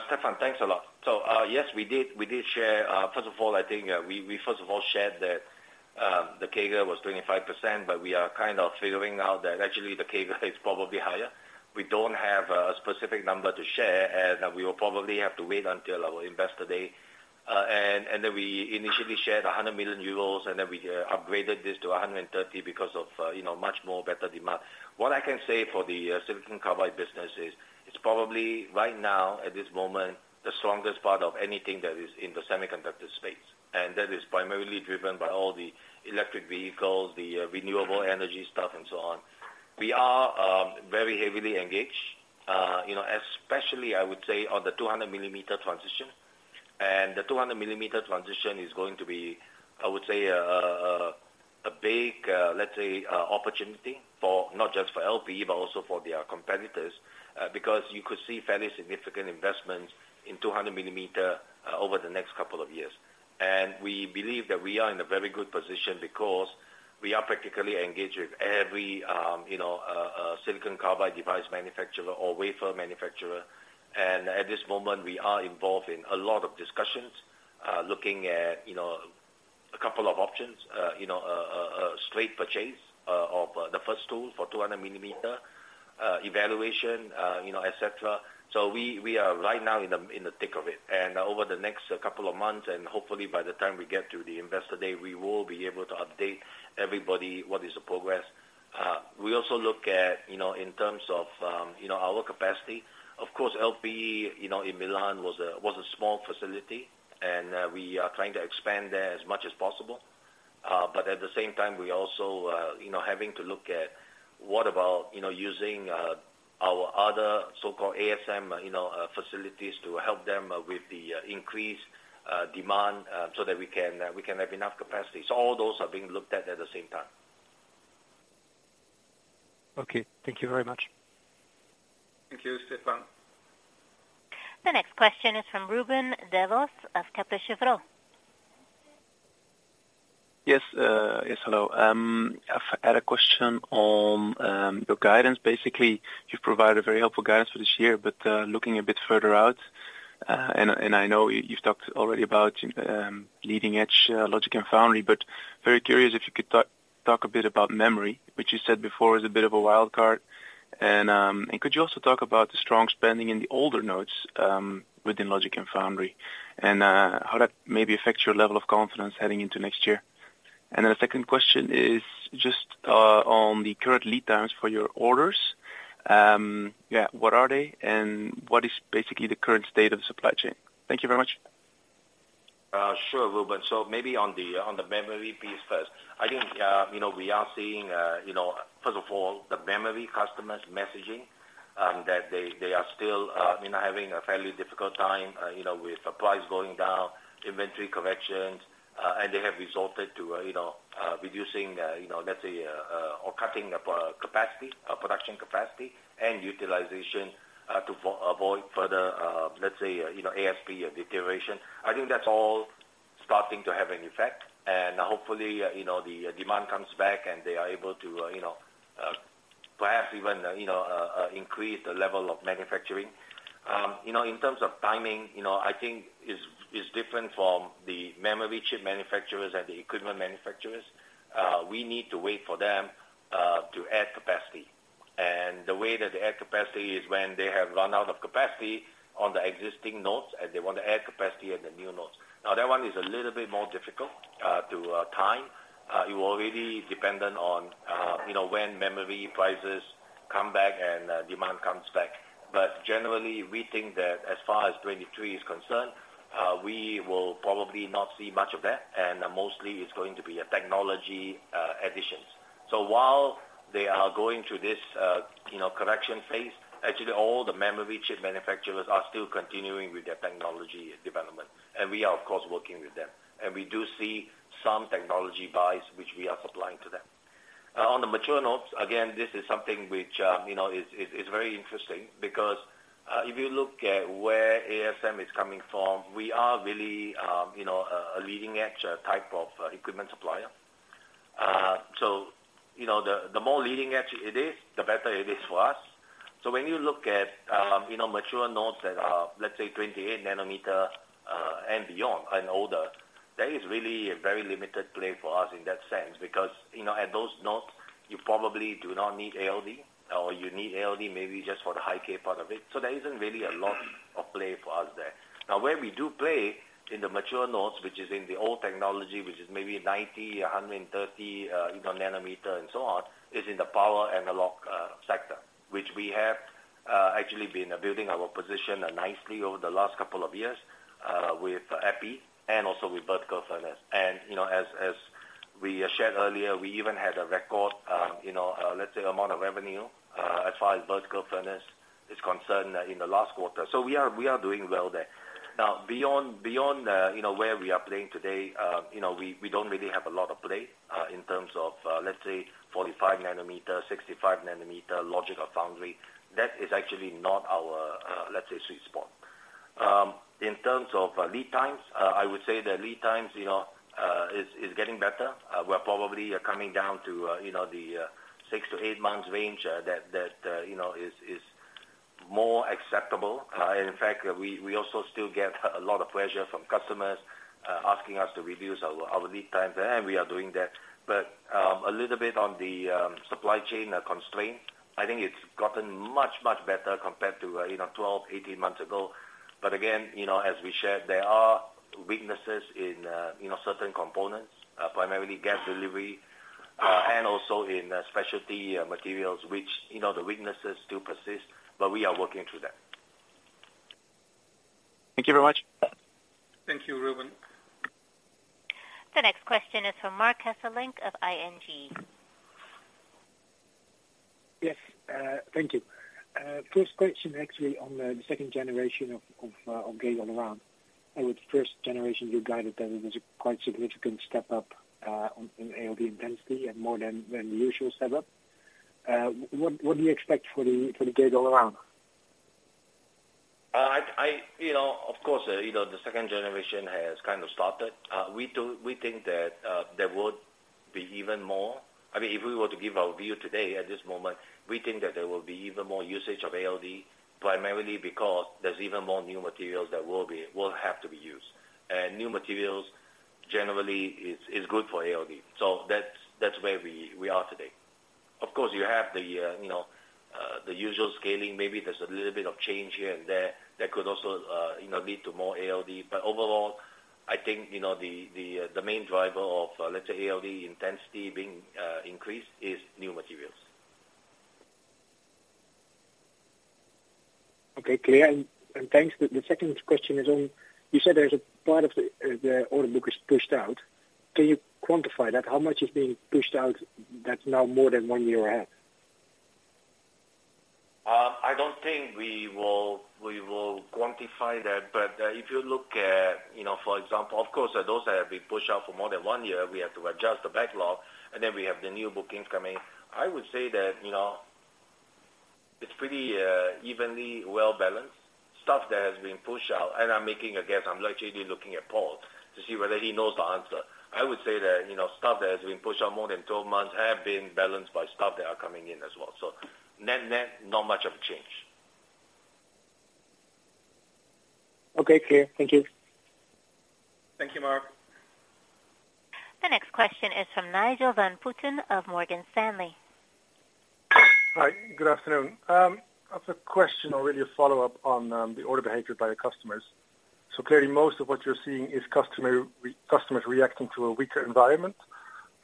Stéphane, thanks a lot. Yes, we did share. First of all, I think, we first of all shared that the CAGR was 25%, we are kind of figuring out that actually the CAGR is probably higher. We don't have a specific number to share, we will probably have to wait until our Investor Day. We initially shared 100 million euros, we upgraded this to 130 million because of, you know, much more better demand. What I can say for the silicon carbide business is it's probably right now, at this moment, the strongest part of anything that is in the semiconductor space, and that is primarily driven by all the electric vehicles, the renewable energy stuff and so on. We are very heavily engaged, you know, especially, I would say, on the 200 mm transition. The 200 mm transition is going to be, I would say, a big opportunity for, not just for LPE, but also for their competitors, because you could see fairly significant investments in 200 mm over the next couple of years. We believe that we are in a very good position because we are practically engaged with every, you know, silicon carbide device manufacturer or wafer manufacturer. At this moment, we are involved in a lot of discussions, looking at, you know, a couple of options, you know, a straight purchase of the first tool for 200 mm evaluation, you know, et cetera. We are right now in the thick of it. Over the next couple of months, and hopefully by the time we get to the Investor Day, we will be able to update everybody what is the progress. We also look at, you know, in terms of, you know, our capacity. Of course, LPE, you know, in Milan was a small facility, and we are trying to expand there as much as possible. But at the same time, we also, you know, having to look at what about, you know, using our other so-called ASM, you know, facilities to help them with the increased demand, so that we can have enough capacity. All those are being looked at the same time. Okay, thank you very much. Thank you, Stéphane. The next question is from Ruben Devos of Kepler Cheuvreux. Yes, yes, hello. I had a question on your guidance. Basically, you've provided very helpful guidance for this year, but looking a bit further out, and I know you've talked already about leading edge logic and foundry, but very curious if you could talk a bit about memory, which you said before is a bit of a wild card. Could you also talk about the strong spending in the older nodes within logic and foundry, and how that maybe affects your level of confidence heading into next year? The second question is just on the current lead times for your orders. Yeah, what are they and what is basically the current state of the supply chain? Thank you very much. Sure, Ruben. Maybe on the memory piece first. I think, you know, we are seeing, you know, first of all, the memory customers messaging, that they are still, you know, having a fairly difficult time, you know, with supplies going down, inventory corrections, and they have resorted to, you know, reducing, you know, let's say, or cutting capacity, production capacity and utilization, to avoid further, let's say, you know, ASP deterioration. I think that's all starting to have an effect. Hopefully, you know, the demand comes back and they are able to, you know, perhaps even, you know, increase the level of manufacturing. You know, in terms of timing, you know, I think is different from the memory chip manufacturers and the equipment manufacturers. We need to wait for them to add capacity. The way that they add capacity is when they have run out of capacity on the existing nodes, and they want to add capacity on the new nodes. Now, that one is a little bit more difficult to time. You already dependent on, you know, when memory prices come back and demand comes back. Generally, we think that as far as 2023 is concerned, we will probably not see much of that, and mostly it's going to be a technology additions. While they are going through this, you know, correction phase, actually all the memory chip manufacturers are still continuing with their technology development. We are, of course, working with them. We do see some technology buys which we are supplying to them. On the mature nodes, again, this is something which, you know, is very interesting because, if you look at where ASM is coming from, we are really, you know, a leading-edge type of equipment supplier. You know, the more leading-edge it is, the better it is for us. When you look at, you know, mature nodes that are, let's say, 28 nm, and beyond and older, there is really a very limited play for us in that sense, because, you know, at those nodes, you probably do not need ALD or you need ALD maybe just for the high-k part of it. There isn't really a lot of play for us there. Where we do play in the mature nodes, which is in the old technology, which is maybe 90 nm, 130 nm and so on, is in the power analog sector, which we have actually been building our position nicely over the last couple of years with Epi and also with vertical furnace. As we shared earlier, we even had a record, you know, let's say amount of revenue, as far as vertical furnace is concerned in the last quarter. We are doing well there. Beyond where we are playing today, you know, we don't really have a lot of play in terms of, let's say 45 nm, 65 nm logic or foundry. That is actually not our, let's say, sweet spot. In terms of lead times, I would say the lead times, you know, is getting better. We're probably coming down to, you know, the 6-8 months range, that, you know, is more acceptable. In fact, we also still get a lot of pressure from customers, asking us to reduce our lead times, and we are doing that. A little bit on the supply chain constraint, I think it's gotten much, much better compared to, you know, 12, 18 months ago. Again, you know, as we shared, there are weaknesses in, you know, certain components, primarily gas delivery, and also in specialty materials, which, you know, the weaknesses do persist, but we are working through that. Thank you very much. Thank you, Ruben. The next question is from Marc Hesselink of ING. Yes, thank you. First question actually on the 2nd-generation of gate-all-around. With 1st-generation, you guided that it was a quite significant step up on ALD intensity and more than the usual step-up. What do you expect for the gate-all-around? I, you know, of course, you know, the 2nd-generation has kind of started. We think that there would be even more. I mean, if we were to give our view today at this moment, we think that there will be even more usage of ALD, primarily because there's even more new materials that will have to be used. New materials generally is good for ALD. That's where we are today. Of course, you have the, you know, the usual scaling. Maybe there's a little bit of change here and there that could also, you know, lead to more ALD. Overall, I think, you know, the main driver of, let's say, ALD intensity being increased is new materials. Okay, clear. Thanks. The second question is on, you said there's a part of the order book is pushed out. Can you quantify that? How much is being pushed out that's now more than one year ahead? I don't think we will quantify that. If you look at, you know, for example, of course, those that have been pushed out for more than one year, we have to adjust the backlog, and then we have the new bookings coming. I would say that, you know, it's pretty evenly well-balanced. Stuff that has been pushed out, and I'm making a guess, I'm actually looking at Paul to see whether he knows the answer. I would say that, you know, stuff that has been pushed out more than 12 months have been balanced by stuff that are coming in as well. Net-net, not much of a change. Okay, clear. Thank you. Thank you, Marc. The next question is from Nigel van Putten of Morgan Stanley. Hi, good afternoon. I have a question or really a follow-up on the order behavior by your customers. Most of what you're seeing is customers reacting to a weaker environment.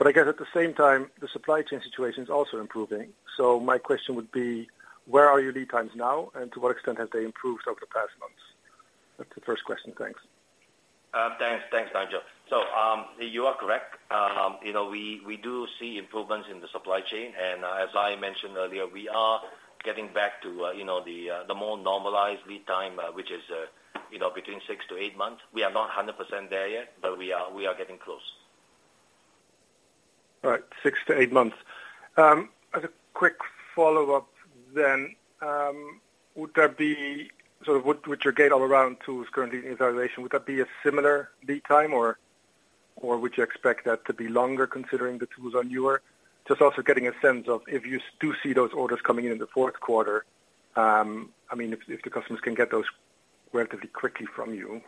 At the same time, the supply chain situation is also improving. Where are your lead times now, and to what extent have they improved over the past months? That's the first question. Thanks. Thanks. Thanks, Nigel. You are correct. You know, we do see improvements in the supply chain. As I mentioned earlier, we are getting back to, you know, the more normalized lead time, which is, you know, between 6-8 months. We are not 100% there yet, but we are getting close. All right, 6-8 months. As a quick follow-up, would your gate-all-around tools currently in evaluation, would that be a similar lead time or would you expect that to be longer considering the tools are newer? Just also getting a sense of if you do see those orders coming in in the fourth quarter, I mean, if the customers can get those relatively quickly from you,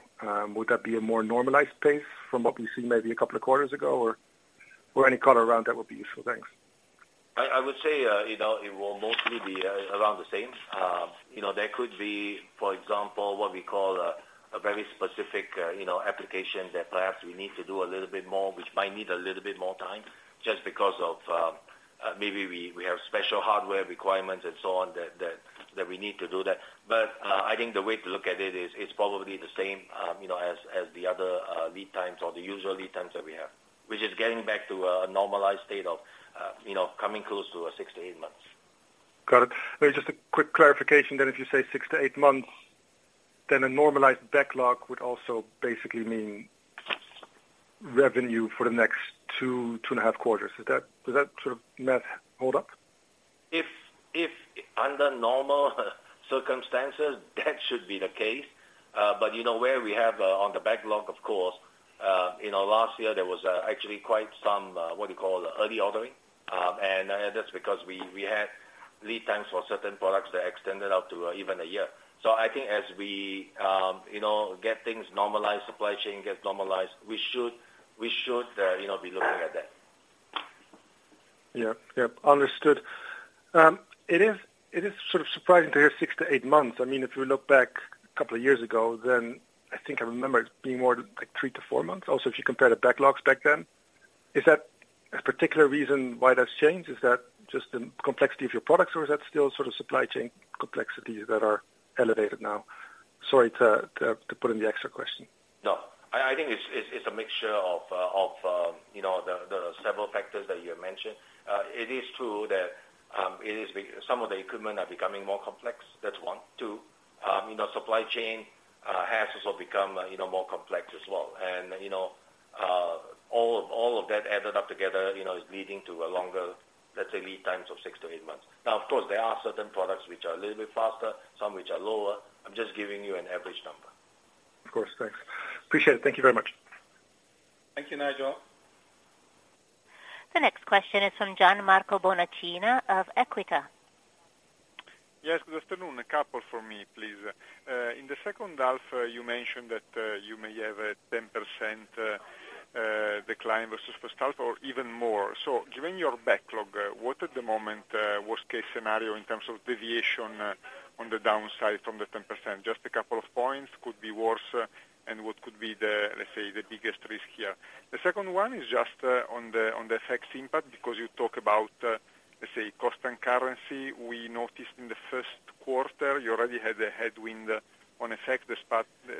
would that be a more normalized pace from what we've seen maybe a couple of quarters ago? Any color around that would be useful. Thanks. I would say, you know, it will mostly be around the same. You know, there could be, for example, what we call a very specific, you know, application that perhaps we need to do a little bit more, which might need a little bit more time just because of, maybe we have special hardware requirements and so on that we need to do that. I think the way to look at it is it's probably the same, you know, as the other lead times or the usual lead times that we have, which is getting back to a normalized state of, you know, coming close to 6-8 months. Got it. Maybe just a quick clarification. If you say 6-8 months, a normalized backlog would also basically mean revenue for the next two and a half quarters. Does that sort of math hold up? If under normal circumstances, that should be the case. You know, where we have, on the backlog, of course, you know, last year there was actually quite some, what do you call? Early ordering. That's because we had lead times for certain products that extended out to even a year. I think as we, you know, get things normalized, supply chain gets normalized, we should, you know, be looking at that. Yeah. Yep, understood. It is, it is sort of surprising to hear 6-8 months. I mean, if you look back a couple of years ago, then I think I remember it being more like three to four months. If you compare the backlogs back then. Is that a particular reason why that's changed? Is that just the complexity of your products, or is that still sort of supply chain complexities that are elevated now? Sorry to put in the extra question. No. I think it's a mixture of, you know, the several factors that you mentioned. It is true that some of the equipment are becoming more complex. That's one. Two, you know, supply chain has also become, you know, more complex as well. And, you know, all of that added up together, you know, is leading to a longer, let's say, lead times of 6-8 months. Now, of course, there are certain products which are a little bit faster, some which are lower. I'm just giving you an average number. Of course. Thanks. Appreciate it. Thank you very much. Thank you, Nigel. The next question is from Gianmarco Bonacina of Equita. Yes, good afternoon. A couple from me, please. In the second half, you mentioned that you may have a 10% decline versus first half or even more. Given your backlog, what at the moment, worst case scenario in terms of deviation on the downside from the 10%? Just a couple of points could be worse, and what could be the, let's say, the biggest risk here? The second one is just on the FX impact, because you talk about, let's say, cost and currency. We noticed in the first quarter, you already had a headwind on FX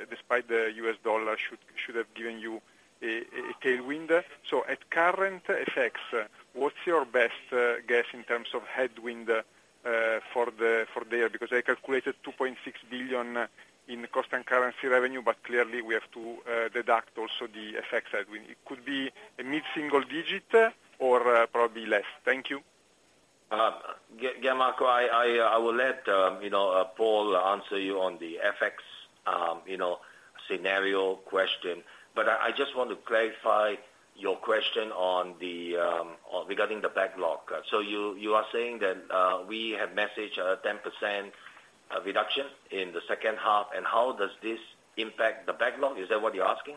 despite the U.S. dollar should have given you a tailwind. At current FX, what's your best guess in terms of headwind for the year? I calculated 2.6 billion in cost and currency revenue, but clearly we have to deduct also the FX headwind. It could be a mid-single digit or probably less. Thank you. Gianmarco, I will let you know Paul answer you on the FX, you know, scenario question. I just want to clarify your question on regarding the backlog. You are saying that we have messaged a 10% reduction in the second half, and how does this impact the backlog? Is that what you're asking?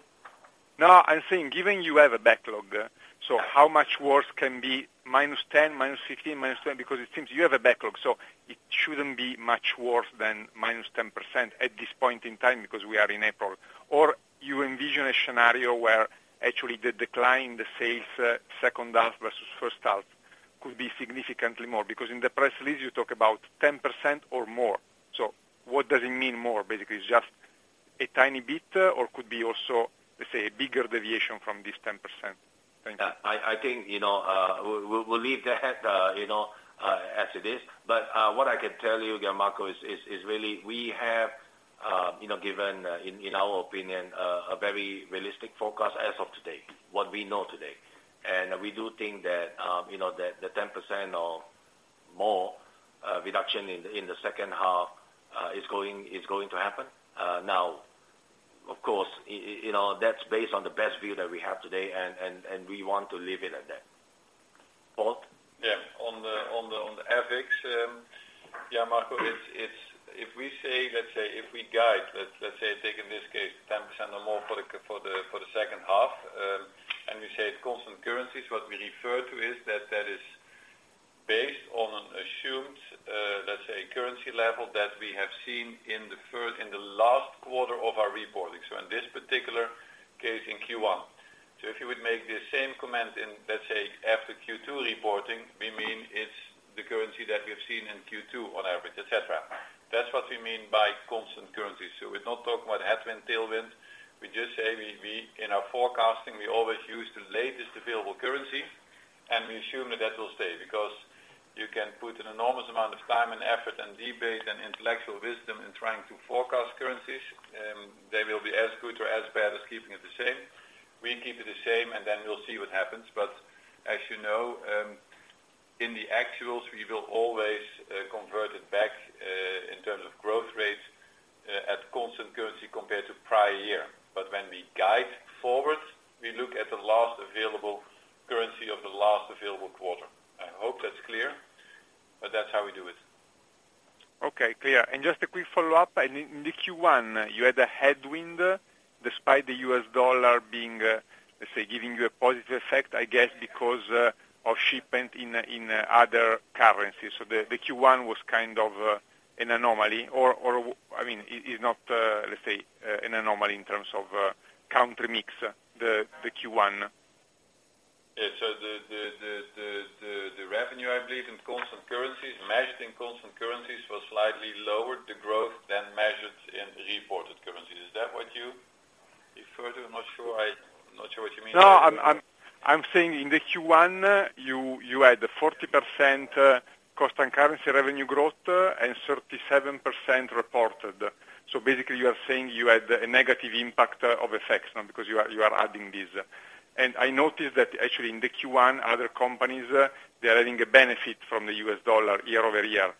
I'm saying given you have a backlog, how much worse can be -10%, -15%, -10%? It seems you have a backlog, it shouldn't be much worse than -10% at this point in time because we are in April. You envision a scenario where actually the decline, the sales, second half versus first half could be significantly more, because in the press release you talk about 10% or more. What does it mean more? Basically, it's just a tiny bit or could be also, let's say, a bigger deviation from this 10%. Thank you. I think, you know, we'll leave that, you know, as it is. What I can tell you, Gianmarco, is really we have, you know, given, in our opinion, a very realistic forecast as of today, what we know today. We do think that, you know, the 10% or more reduction in the second half is going to happen. Now of course, you know, that's based on the best view that we have today and we want to leave it at that. Paul? Yes. On the FX, Gianmarco, it's if we say, let's say if we guide, let's say take in this case 10% or more for the second half, and we say it's constant currencies, what we refer to is that that is based on an assumed, let's say currency level that we have seen in the last quarter of our reporting, so in this particular case, in Q1. If you would make the same comment in, let's say, after Q2 reporting, we mean it's the currency that we've seen in Q2 on average, et cetera. That's what we mean by constant currency. We're not talking about headwind, tailwind. We just say we in our forecasting, we always use the latest available currency, and we assume that that will stay. You can put an enormous amount of time and effort and debate and intellectual wisdom in trying to forecast currencies, they will be as good or as bad as keeping it the same. We keep it the same, and then we'll see what happens. As you know, in the actuals we will always convert it back in terms of growth rates at constant currency compared to prior year. When we guide forward, we look at the last available currency of the last available quarter. I hope that's clear, but that's how we do it. Okay, clear. Just a quick follow-up. In the Q1, you had a headwind despite the U.S. dollar being, let's say, giving you a positive effect, I guess, because of shipment in other currencies. The Q1 was kind of an anomaly or, I mean, it's not, let's say, an anomaly in terms of country mix, the Q1. Yeah. The revenue, I believe in constant currencies, measured in constant currencies was slightly lower, the growth then measured in reported currencies. Is that what you referred to? I'm not sure. I'm not sure what you mean. No. I'm saying in the Q1, you had 40% constant currency revenue growth and 37% reported. Basically you are saying you had a negative impact of FX, because you are adding this. I noticed that actually in the Q1, other companies, they are having a benefit from the U.S. dollar year-over-year.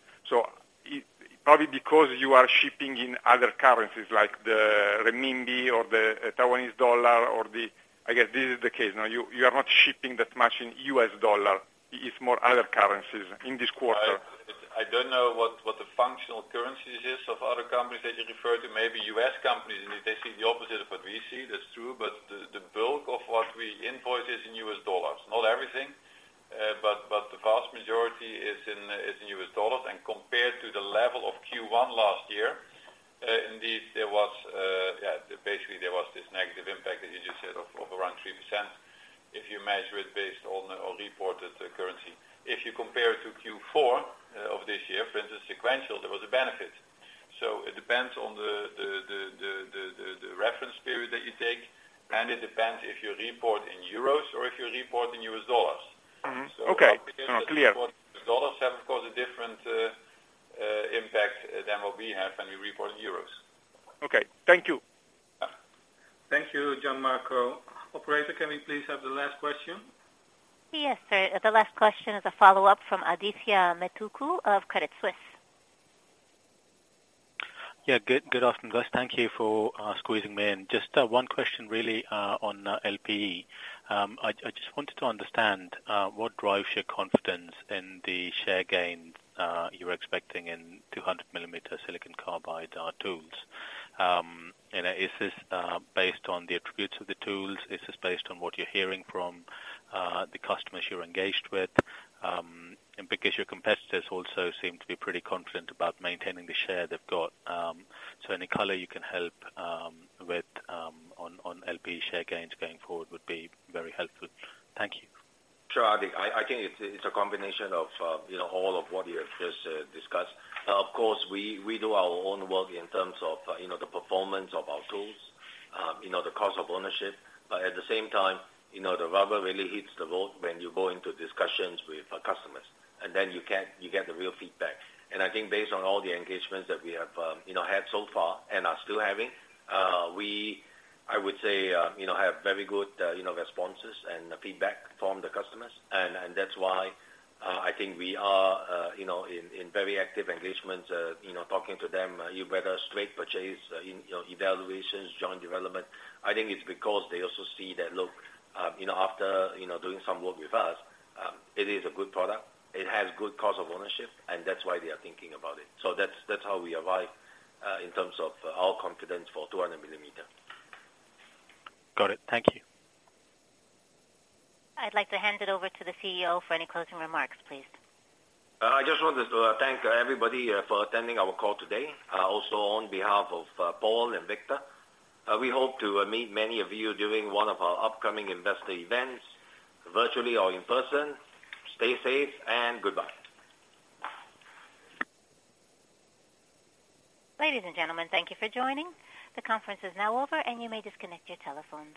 It probably because you are shipping in other currencies like the renminbi or the Taiwanese dollar or the, I guess this is the case. No, you are not shipping that much in U.S. dollar. It's more other currencies in this quarter. I don't know what the functional currencies is of other companies that you refer to. Maybe U.S. companies, and if they see the opposite of what we see, that's true. The bulk of what we invoice is in U.S. dollars. Not everything, but the vast majority is in U.S. dollars. Compared to the level of Q1 last year, indeed there was, basically there was this negative impact, as you just said, of around 3% if you measure it based on reported currency. If you compare it to Q4 of this year, for instance, sequential, there was a benefit. It depends on the reference period that you take, and it depends if you report in euros or if you report in U.S. dollars. Mm-hmm. Okay. No, clear. Dollars have, of course, a different impact than what we have when we report in euros. Okay. Thank you. Thank you, Gianmarco. Operator, can we please have the last question? Yes, sir. The last question is a follow-up from Adithya Metuku of Credit Suisse. Yeah. Good, good afternoon, guys. Thank you for squeezing me in. Just one question really on LPE. I just wanted to understand what drives your confidence in the share gains you're expecting in 200 mm silicon carbide tools. Is this based on the attributes of the tools? Is this based on what you're hearing from the customers you're engaged with? Because your competitors also seem to be pretty confident about maintaining the share they've got. Any color you can help with on LPE share gains going forward would be very helpful. Thank you. Sure, Adi. I think it's a combination of, you know, all of what you have just discussed. Of course, we do our own work in terms of, you know, the performance of our tools, you know, the cost of ownership. At the same time, you know, the rubber really hits the road when you go into discussions with our customers, and then you get the real feedback. I think based on all the engagements that we have, you know, had so far and are still having, we, I would say, you know, have very good, you know, responses and feedback from the customers. That's why, I think we are, you know, in very active engagement, you know, talking to them, either whether straight purchase, in, you know, evaluations, joint development. I think it's because they also see that, look, you know, after, you know, doing some work with us, it is a good product. It has good cost of ownership, and that's why they are thinking about it. That's how we arrive in terms of our confidence for 200 mm. Got it. Thank you. I'd like to hand it over to the CEO for any closing remarks, please. I just wanted to thank everybody for attending our call today, also on behalf of Paul and Victor. We hope to meet many of you during one of our upcoming investor events, virtually or in person. Stay safe and goodbye. Ladies and gentlemen, thank you for joining. The conference is now over. You may disconnect your telephones.